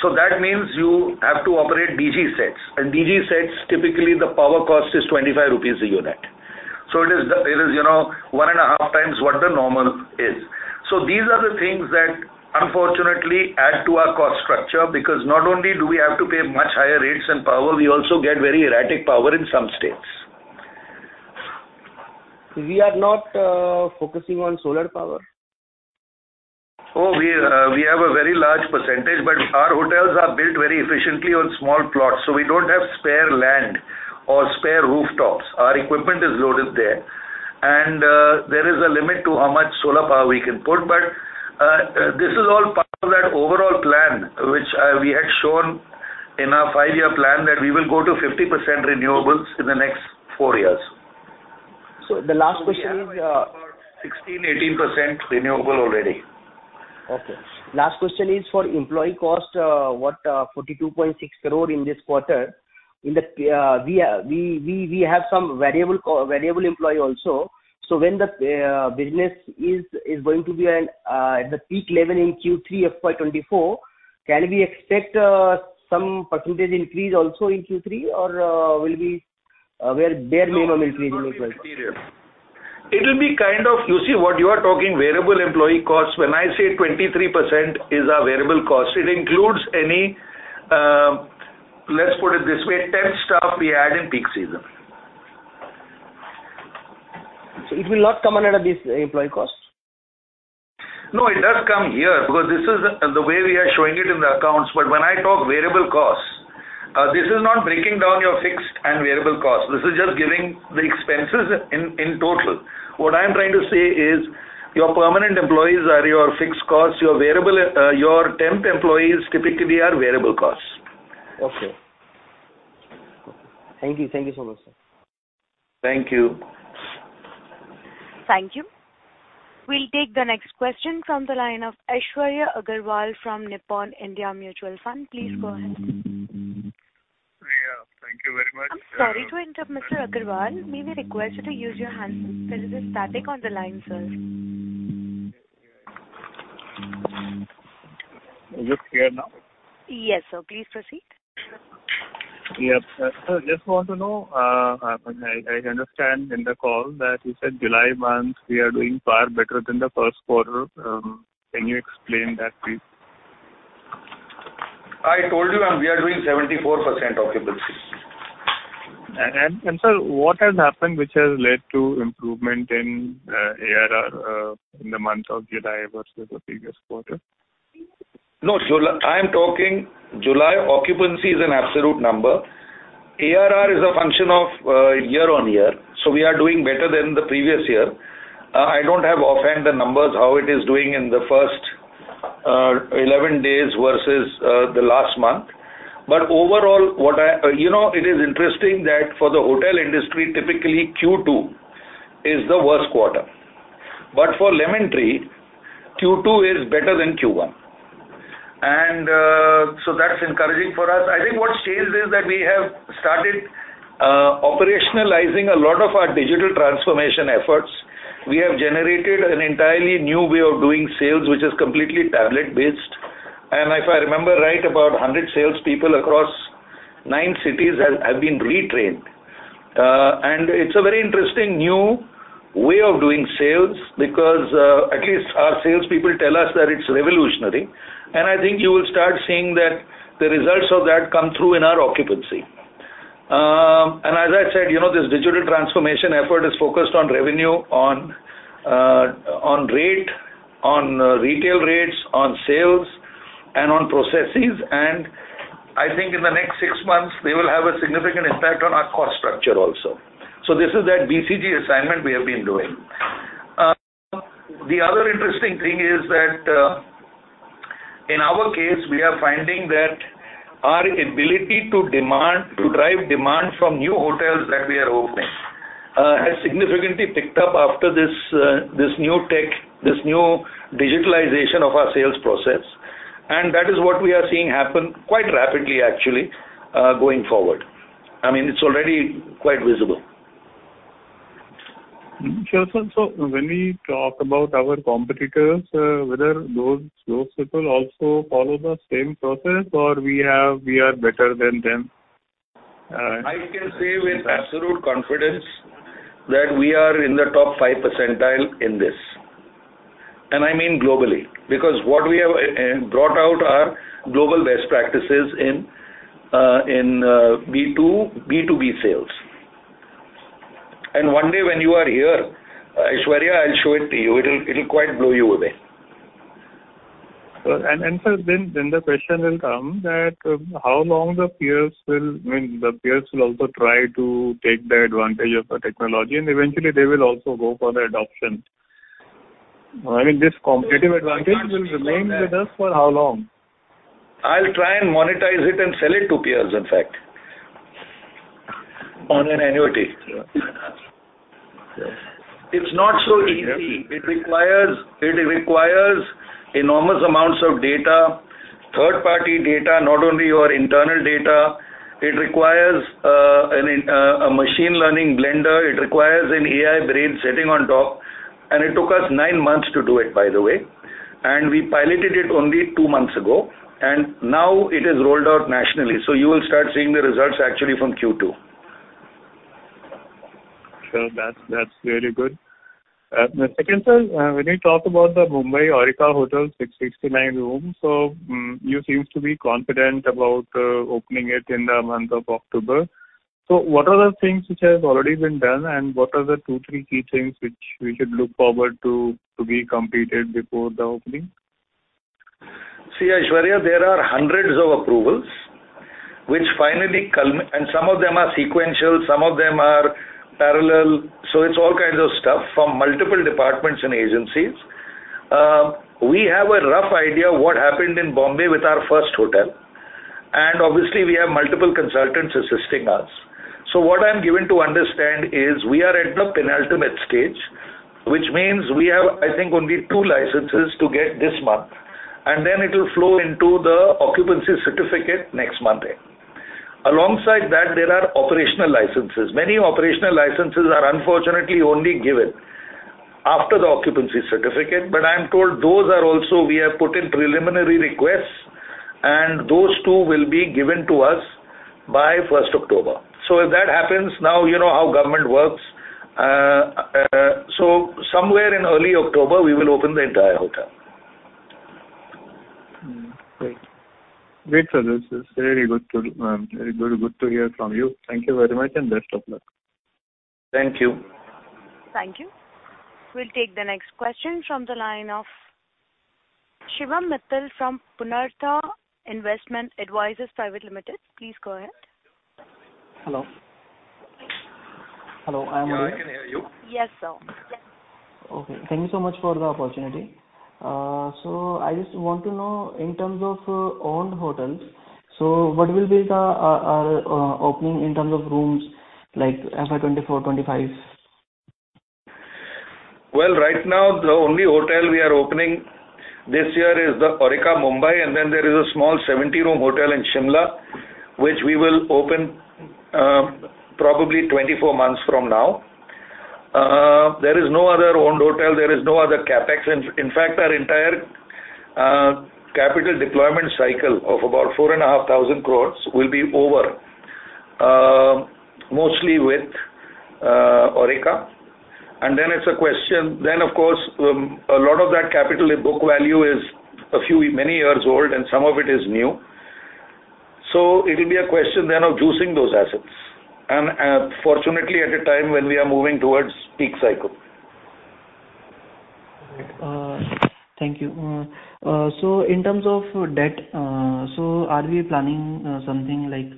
That means you have to operate DG sets, and DG sets, typically, the power cost is 25 rupees a unit. It is, you know, 1.5 times what the normal is. These are the things that unfortunately add to our cost structure, because not only do we have to pay much higher rates and power, we also get very erratic power in some states. We are not focusing on solar power? We have a very large percentage, but our hotels are built very efficiently on small plots, so we don't have spare land or spare rooftops. Our equipment is loaded there. There is a limit to how much solar power we can put. This is all part of that overall plan, which we had shown in our 5-year plan, that we will go to 50% renewables in the next four years. The last question is. 16, 18% renewable already. Okay. Last question is for employee cost, what 42.6 crore in this quarter. In the, we, we, we have some variable variable employee also. When the business is, is going to be an at the peak level in Q3 of FY 2024, can we expect some % increase also in Q3, or will be where bare minimum increase will be required? It will be kind of. You see, what you are talking variable employee costs, when I say 23% is our variable cost, it includes any, let's put it this way, temp staff we add in peak season. It will not come under this employee cost? No, it does come here, because this is the way we are showing it in the accounts. When I talk variable costs, this is not breaking down your fixed and variable costs. This is just giving the expenses in, in total. What I'm trying to say is, your permanent employees are your fixed costs, your variable, your temp employees typically are variable costs. Okay. Thank you. Thank you so much, sir. Thank you. Thank you. We'll take the next question from the line of Aishwarya Agarwal from Nippon India Mutual Fund. Please go ahead. Yeah, thank you very much- I'm sorry to interrupt, Mr. Agarwal. May we request you to use your handset? There is a static on the line, sir. Is it clear now? Yes, sir. Please proceed. Yep. Sir, just want to know, I, I understand in the call that you said July month, we are doing far better than the first quarter. Can you explain that, please? I told you, and we are doing 74% occupancy. Sir, what has happened, which has led to improvement in ARR in the month of July versus the previous quarter? No, July-- I am talking July occupancy is an absolute number. ARR is a function of year-on-year, we are doing better than the previous year. I don't have offhand the numbers, how it is doing in the first 11 days versus the last month. Overall, what I... You know, it is interesting that for the hotel industry, typically, Q2 is the worst quarter. For Lemon Tree, Q2 is better than Q1, and that's encouraging for us. I think what changed is that we have started operationalizing a lot of our digital transformation efforts. We have generated an entirely new way of doing sales, which is completely tablet-based. If I remember right, about 100 salespeople across 9 cities have, have been retrained. It's a very interesting new way of doing sales because, at least our salespeople tell us that it's revolutionary, and I think you will start seeing that the results of that come through in our occupancy. As I said, you know, this digital transformation effort is focused on revenue, on rate, on retail rates, on sales, and on processes, and I think in the next six months, we will have a significant impact on our cost structure also. This is that BCG assignment we have been doing. The other interesting thing is that, in our case, we are finding that our ability to demand, to drive demand from new hotels that we are opening, has significantly picked up after this, this new tech, this new digitalization of our sales process. That is what we are seeing happen quite rapidly, actually, going forward. I mean, it's already quite visible. Sure, sir. When we talk about our competitors, whether those people also follow the same process, or we are better than them? I can say with absolute confidence that we are in the top 5 percentile in this, and I mean globally, because what we have brought out are global best practices in B2B sales. One day when you are here, Aishwarya, I'll show it to you. It'll, it'll quite blow you away. Well, sir, then the question will come that how long the peers will... When the peers will also try to take the advantage of the technology, and eventually they will also go for the adoption. I mean, this competitive advantage will remain with us for how long? I'll try and monetize it and sell it to peers, in fact, on an annuity. It's not so easy. It requires enormous amounts of data, third-party data, not only your internal data. It requires a machine learning blender. It requires an AI brain sitting on top, and it took us nine months to do it, by the way, and we piloted it only two months ago, and now it is rolled out nationally. You will start seeing the results actually from Q2. Sure. That's, that's very good. The second, sir, when you talk about the Mumbai Aurika hotel, 669 rooms, you seems to be confident about opening it in the month of October. What are the things which has already been done, and what are the two, three key things which we should look forward to, to be completed before the opening? See, Aishwarya, there are hundreds of approvals which finally and some of them are sequential, some of them are parallel. It's all kinds of stuff from multiple departments and agencies. We have a rough idea what happened in Bombay with our first hotel, and obviously, we have multiple consultants assisting us. What I'm given to understand is we are at the penultimate stage, which means we have, I think, only two licenses to get this month, and then it will flow into the occupancy certificate next month. Alongside that, there are operational licenses. Many operational licenses are unfortunately only given after the occupancy certificate, but I am told those are also, we have put in preliminary requests, and those two will be given to us by first October. If that happens, now you know how government works, so somewhere in early October, we will open the entire hotel. Mm-hmm. Great. Great, sir. This is very good to hear from you. Thank you very much and best of luck. Thank you. Thank you. We'll take the next question from the line of Shivam Mittal from Punartha Investment Advisers Private Limited. Please go ahead. Hello? Hello, I am here. Yeah, I can hear you. Yes, sir. Yes. Okay, thank you so much for the opportunity. I just want to know, in terms of owned hotels, what will be the opening in terms of rooms like FY 2024, 2025? Right now, the only hotel we are opening this year is the Aurika, Mumbai Skycity, then there is a small 70-room hotel in Shimla, which we will open, probably 24 months from now. There is no other owned hotel, there is no other CapEx. In fact, our entire capital deployment cycle of about 4,500 crore will be over, mostly with, Aurika. Then it's a question. Of course, a lot of that capital in book value is a few, many years old, and some of it is new. It will be a question then of juicing those assets, and, fortunately, at a time when we are moving towards peak cycle. Thank you. In terms of debt, so are we planning something like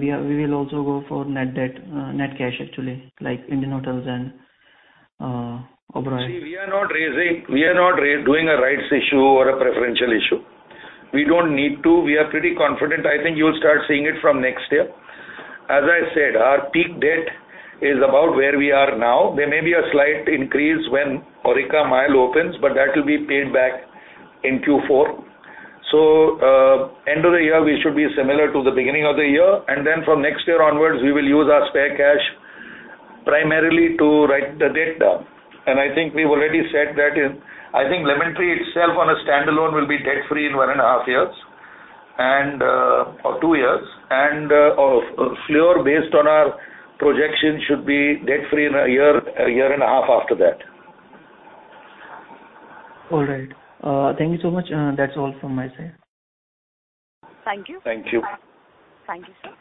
we are, we will also go for net debt, net cash, actually, like Indian Hotels and Oberoi? See, we are not raising, we are not doing a rights issue or a preferential issue. We don't need to. We are pretty confident. I think you'll start seeing it from next year. As I said, our peak debt is about where we are now. There may be a slight increase when Aurika Mumbai opens, but that will be paid back in Q4. End of the year, we should be similar to the beginning of the year, and then from next year onwards, we will use our spare cash primarily to write the debt down. I think we've already said that in... I think Lemon Tree itself on a standalone will be debt-free in 1.5 years, or 2 years, and Fleur, based on our projection, should be debt-free in 1 year, 1.5 years after that. All right. Thank you so much. That's all from my side. Thank you. Thank you. Thank you, sir.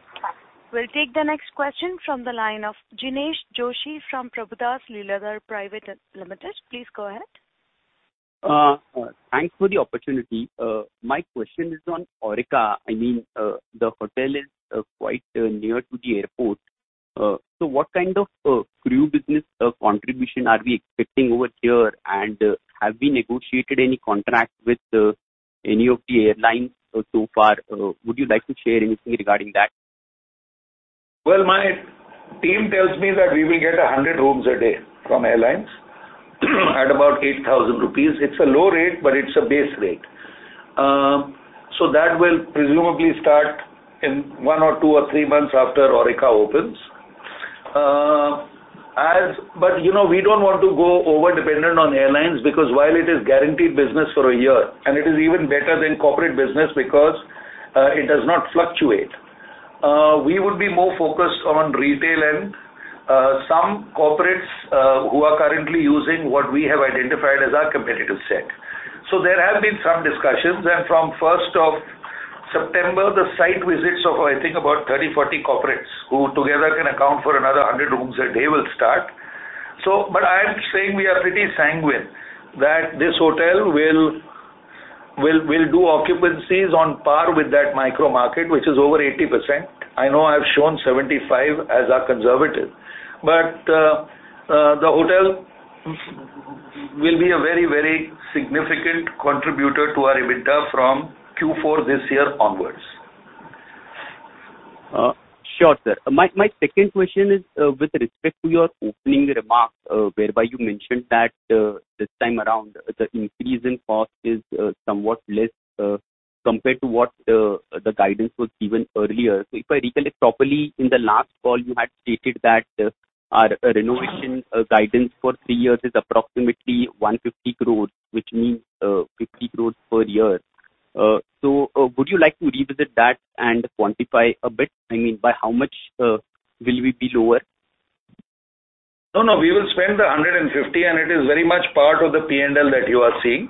We'll take the next question from the line of Jinesh Joshi from Prabhudas Lilladher Private Limited. Please go ahead. Thanks for the opportunity. My question is on Aurika. I mean, the hotel is quite near to the airport. What kind of crew business contribution are we expecting over here? Have we negotiated any contract with any of the airlines so far? Would you like to share anything regarding that? Well, my team tells me that we will get 100 rooms a day from airlines, at about 8,000 rupees. It's a low rate, but it's a base rate. That will presumably start in 1 or 2 or 3 months after Aurika opens. You know, we don't want to go over-dependent on airlines because while it is guaranteed business for a year, and it is even better than corporate business because, it does not fluctuate, we would be more focused on retail and some corporates who are currently using what we have identified as our competitive set. There have been some discussions, and from 1st of September, the site visits of, I think, about 30, 40 corporates, who together can account for another 100 rooms a day, will start. But I am saying we are pretty sanguine that this hotel will, will, will do occupancies on par with that micro market, which is over 80%. I know I've shown 75 as our conservative, but the hotel will be a very, very significant contributor to our EBITDA from Q4 this year onwards. Sure, sir. My, my second question is with respect to your opening remarks, whereby you mentioned that this time around, the increase in cost is somewhat less compared to what the guidance was given earlier. If I recollect properly, in the last call, you had stated that our renovation guidance for three years is approximately 150 crore, which means 50 crore per year. Would you like to revisit that and quantify a bit? I mean, by how much will we be lower? No, no, we will spend 150, and it is very much part of the P&L that you are seeing.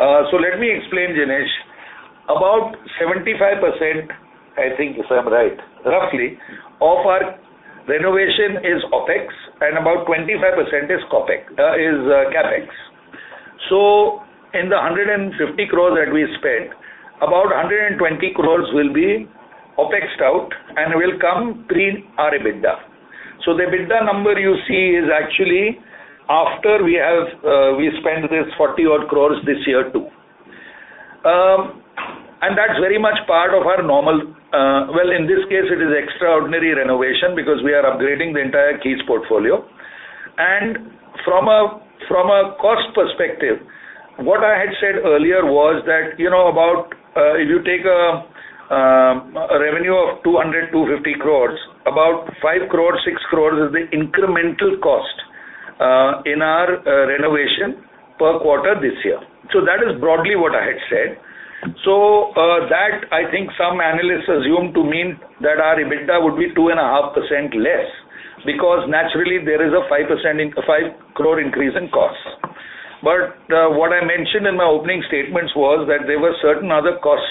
Let me explain, Jinesh. About 75%, I think, if I'm right, roughly, of our renovation is OpEx, and about 25% is CapEx. In the 150 crore that we spent, about 120 crore will be OpExed out and will come pre our EBITDA. The EBITDA number you see is actually after we have, we spend this 40 odd crore this year, too. That's very much part of our normal, well, in this case, it is extraordinary renovation because we are upgrading the entire Keys portfolio. From a, from a cost perspective, what I had said earlier was that, you know, about, if you take a, a revenue of 200-250 crore, about 5-6 crore is the incremental cost, in our, renovation per quarter this year. That is broadly what I had said. That, I think some analysts assume to mean that our EBITDA would be 2.5% less, because naturally, there is a 5%, 5 crore increase in costs. What I mentioned in my opening statements was that there were certain other costs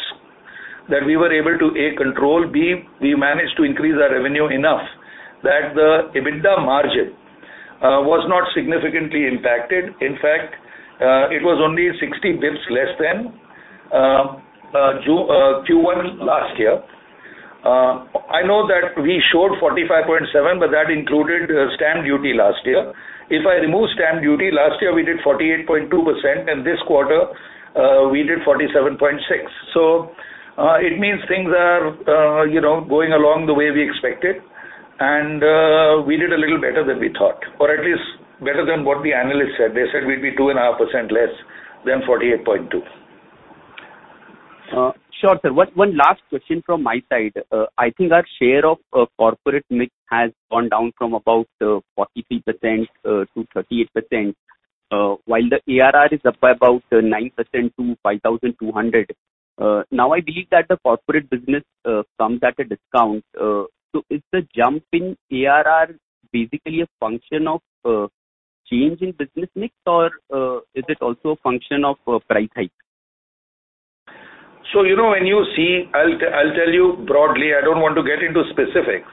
that we were able to, A, control, B, we managed to increase our revenue enough that the EBITDA margin, was not significantly impacted. In fact, it was only 60 bps less than, Q1 last year. I know that we showed 45.7, but that included stamp duty last year. If I remove stamp duty, last year, we did 48.2%, and this quarter, we did 47.6. It means things are, you know, going along the way we expected, and we did a little better than we thought, or at least better than what the analyst said. They said we'd be 2.5% less than 48.2. Sure, sir. One, one last question from my side. I think our share of corporate mix has gone down from about 43% to 38% while the ARR is up by about 9% to 5,200. Now, I believe that the corporate business comes at a discount. Is the jump in ARR basically a function of change in business mix, or is it also a function of price hike? You know, I'll, I'll tell you broadly. I don't want to get into specifics.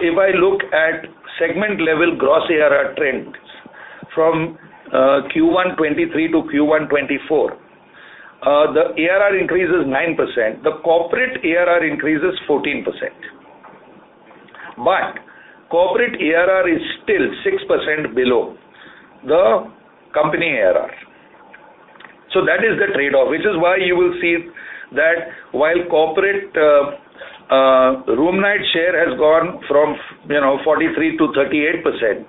If I look at segment-level gross ARR trends from Q1 '23 to Q1 '24, the ARR increase is 9%, the corporate ARR increase is 14%. Corporate ARR is still 6% below the company ARR. That is the trade-off, which is why you will see that while corporate room night share has gone from, you know, 43 to 38%,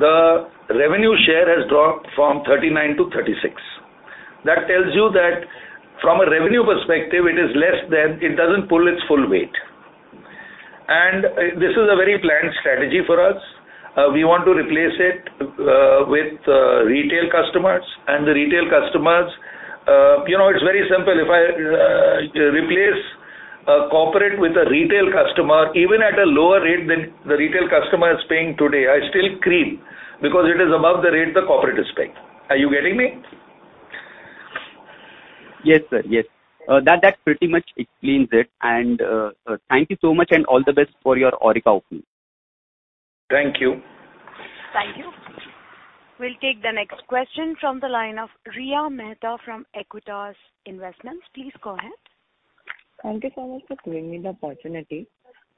the revenue share has dropped from 39 to 36. That tells you that from a revenue perspective, it doesn't pull its full weight. This is a very planned strategy for us. We want to replace it with retail customers. The retail customers, you know, it's very simple. If I replace a corporate with a retail customer, even at a lower rate than the retail customer is paying today, I still cream because it is above the rate the corporate is paying. Are you getting me? Yes, sir. Yes. That, that pretty much explains it. And, thank you so much, and all the best for your Aurika opening. Thank you. Thank you. We'll take the next question from the line of Riya Mehta from Aequitas Investments. Please go ahead. Thank you so much for giving me the opportunity.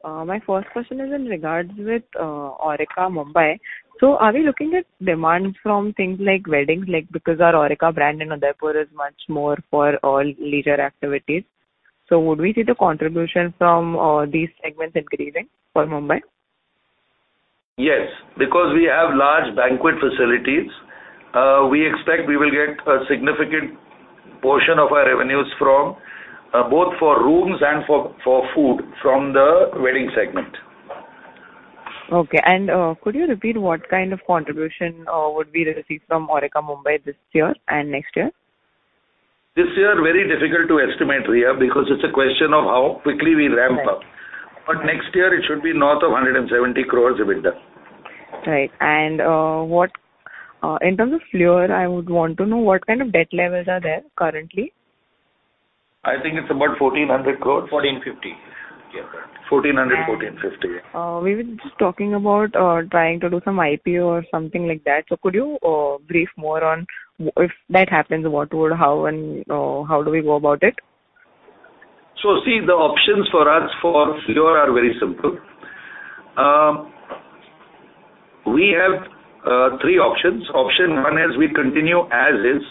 My first question is in regards with Aurika, Mumbai Skycity. Are we looking at demand from things like weddings? Like, because our Aurika brand in Udaipur is much more for all leisure activities. Would we see the contribution from these segments increasing for Mumbai? Yes, because we have large banquet facilities, we expect we will get a significant portion of our revenues from, both for rooms and for food from the wedding segment. Okay. Could you repeat what kind of contribution would we receive from Aurika, Mumbai Skycity this year and next year? This year, very difficult to estimate, Riya, because it's a question of how quickly we ramp up. Right. Next year, it should be north of 170 crore EBITDA. Right. In terms of Fleur, I would want to know what kind of debt levels are there currently? I think it's about 1,400 crores. 1,450. Yeah. 1,400, 1,450. We were just talking about, trying to do some IPO or something like that. Could you brief more on if that happens, what would, how and how do we go about it? See, the options for us for Fleur are very simple. We have three options. Option one is we continue as is.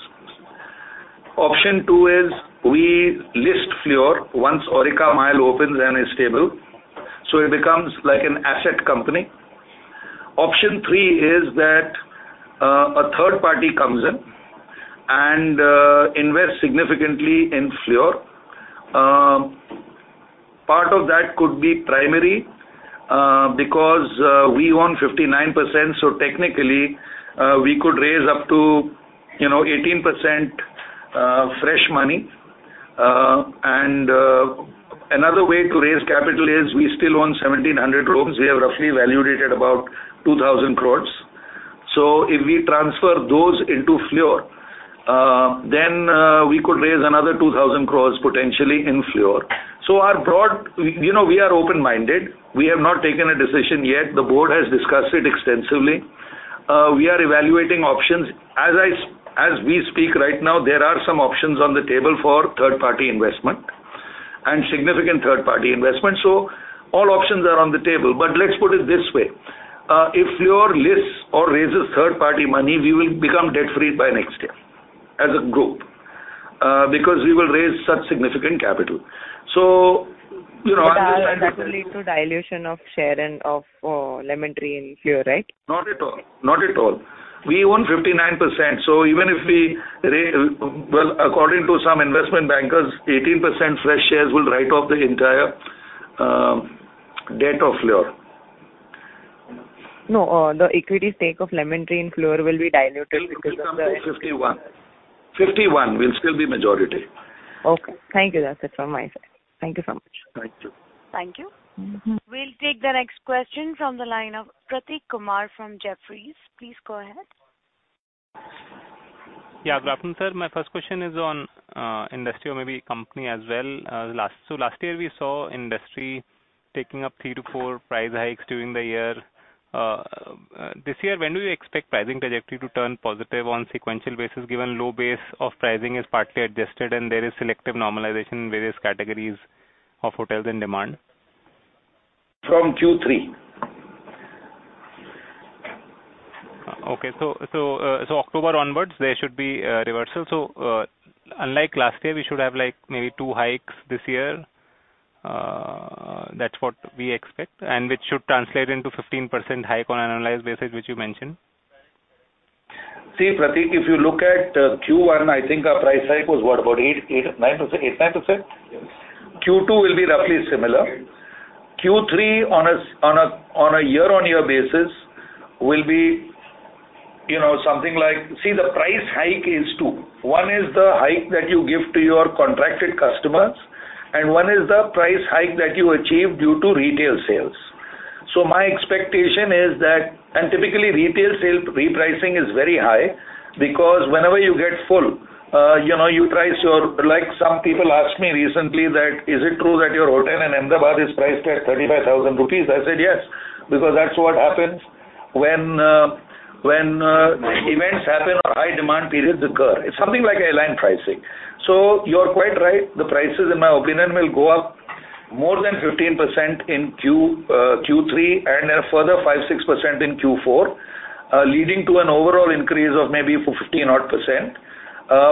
Option two is we list Fleur once Aurika, Mumbai Skycity opens and is stable, so it becomes like an asset company. Option three is that a third party comes in and invests significantly in Fleur. Part of that could be primary because we own 59%, so technically, we could raise up to, you know, 18% fresh money. And another way to raise capital is we still own 1,700 rooms. We have roughly valued it at about 2,000 crore. If we transfer those into Fleur, then we could raise another 2,000 crore potentially in Fleur. Our broad, you know, we are open-minded. We have not taken a decision yet. The board has discussed it extensively. We are evaluating options. As I, as we speak right now, there are some options on the table for third-party investment and significant third-party investment. All options are on the table. Let's put it this way, if Fleur lists or raises third-party money, we will become debt-free by next year as a group, because we will raise such significant capital. You know- That will lead to dilution of share and of Lemon Tree in Fleur, right? Not at all. Not at all. We own 59%. Well, according to some investment bankers, 18% fresh shares will write off the entire debt of Fleur. No, the equity stake of Lemon Tree in Fleur will be diluted because of the- It will come to 51. 51, we'll still be majority. Okay, thank you, that's it from my side. Thank you so much. Thank you. Thank you. We'll take the next question from the line of Pratik Kumar from Jefferies. Please go ahead. Yeah, good afternoon, sir. My first question is on industry or maybe company as well. Last year, we saw industry taking up 3-4 price hikes during the year. This year, when do you expect pricing trajectory to turn positive on sequential basis, given low base of pricing is partly adjusted and there is selective normalization in various categories of hotels and demand? From Q3. Okay, so, so, so October onwards, there should be a reversal. Unlike last year, we should have like maybe two hikes this year, that's what we expect, and which should translate into 15% hike on an annual basis, which you mentioned? See, Pratik, if you look at Q1, I think our price hike was what? About 8%-9%. Q2 will be roughly similar. Q3 on a year-on-year basis will be, you know, something like... The price hike is 2. One is the hike that you give to your contracted customers, and one is the price hike that you achieve due to retail sales. My expectation is that, and typically, retail sale repricing is very high because whenever you get full, you know, Like some people asked me recently that, "Is it true that your hotel in Ahmedabad is priced at 35,000 rupees?" I said, yes, because that's what happens when events happen or high demand periods occur. It's something like airline pricing. You're quite right. The prices, in my opinion, will go up more than 15% in Q3 and a further 5%-6% in Q4, leading to an overall increase of maybe 15 odd %.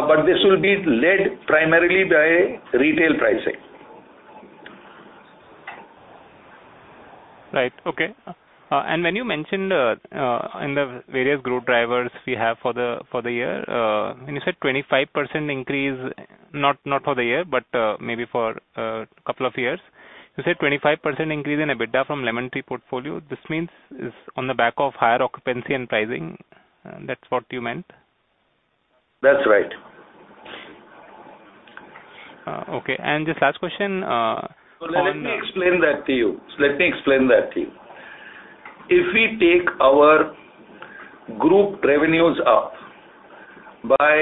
But this will be led primarily by retail pricing. Right. Okay. When you mentioned, in the various growth drivers we have for the, for the year, and you said 25% increase, not, not for the year, but, maybe for a couple of years. You said 25% increase in EBITDA from Lemon Tree portfolio. This means is on the back of higher occupancy and pricing, that's what you meant? That's right. Okay, just last question. Let me explain that to you. Let me explain that to you. If we take our group revenues up by,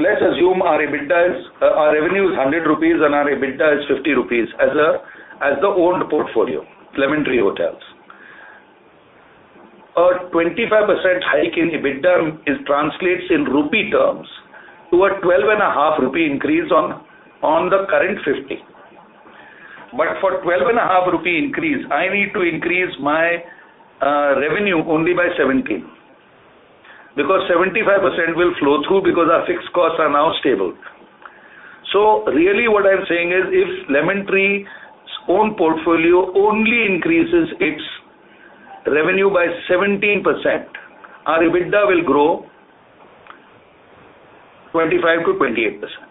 let's assume our EBITDA is. Our revenue is 100 rupees and our EBITDA is 50 rupees as the owned portfolio, Lemon Tree Hotels. A 25% hike in EBITDA is translates in rupee terms to an INR 12.5 increase on the current 50. For an INR 12.5 increase, I need to increase my revenue only by 17, because 75% will flow through, because our fixed costs are now stable. Really, what I'm saying is, if Lemon Tree's own portfolio only increases its revenue by 17%, our EBITDA will grow 25%-28%.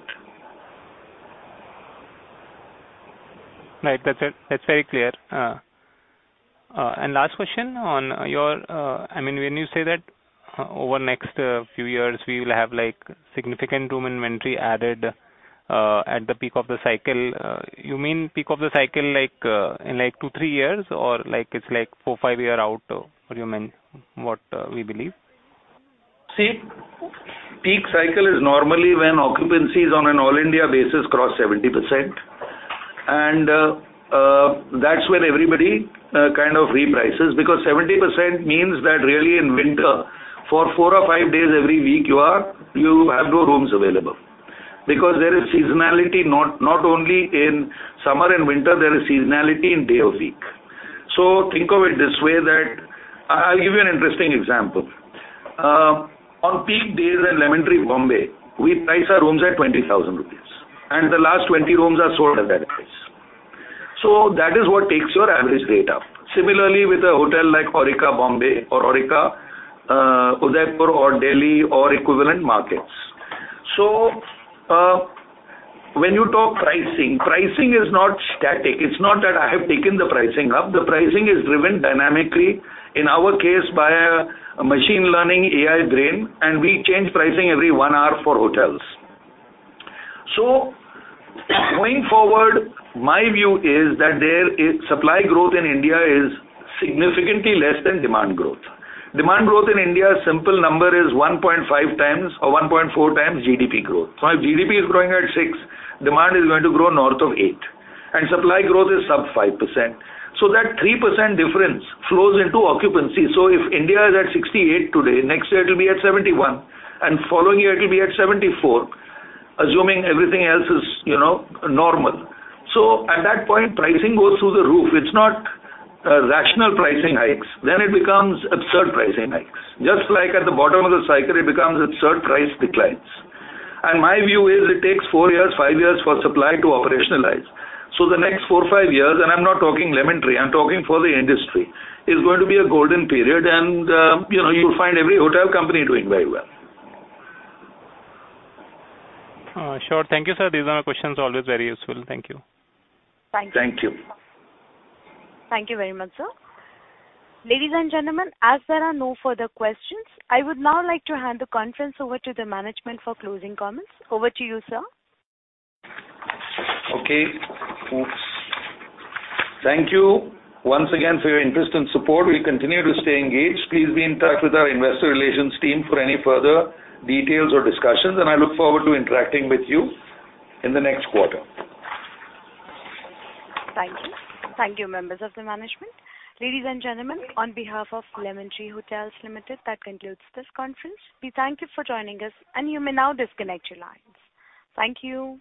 Right. That's it. That's very clear. Last question on your, I mean, when you say that over the next few years, we will have, like, significant room inventory added, at the peak of the cycle, you mean peak of the cycle, like, in like two, three years, or like, it's like four, five year out, what do you mean? What, we believe. See, peak cycle is normally when occupancies on an all-India basis cross 70%. That's when everybody kind of reprices, because 70% means that really in winter, for 4 or 5 days every week, you have no rooms available. Think of it this way. I'll give you an interesting example. On peak days at Lemon Tree, Bombay, we price our rooms at 20,000 rupees, and the last 20 rooms are sold at that price. That is what takes your average rate up. Similarly, with a hotel like Aurika, Bombay or Aurika, Udaipur or Delhi or equivalent markets. When you talk pricing, pricing is not static. It's not that I have taken the pricing up. The pricing is driven dynamically, in our case, by a machine learning AI brain, and we change pricing every 1 hour for hotels. Going forward, my view is that supply growth in India is significantly less than demand growth. Demand growth in India, simple number is 1.5 times or 1.4 times GDP growth. If GDP is growing at 6, demand is going to grow north of 8, and supply growth is sub 5%. That 3% difference flows into occupancy. If India is at 68 today, next year it will be at 71, and following year, it will be at 74, assuming everything else is, you know, normal. At that point, pricing goes through the roof. It's not rational pricing hikes, then it becomes absurd pricing hikes. Just like at the bottom of the cycle, it becomes absurd price declines. My view is it takes four years, five years for supply to operationalize. The next four, five years, and I'm not talking Lemon Tree, I'm talking for the industry, is going to be a golden period, and, you know, you'll find every hotel company doing very well. Sure. Thank you, sir. These are our questions, always very useful. Thank you. Thank you. Thank you very much, sir. Ladies and gentlemen, as there are no further questions, I would now like to hand the conference over to the Management for closing comments. Over to you, sir. Okay, oops. Thank you once again for your interest and support. We continue to stay engaged. Please be in touch with our investor relations team for any further details or discussions. I look forward to interacting with you in the next quarter. Thank you. Thank you, Members of the Management. Ladies and gentlemen, on behalf of Lemon Tree Hotels Limited, that concludes this conference. We thank you for joining us. You may now disconnect your lines. Thank you.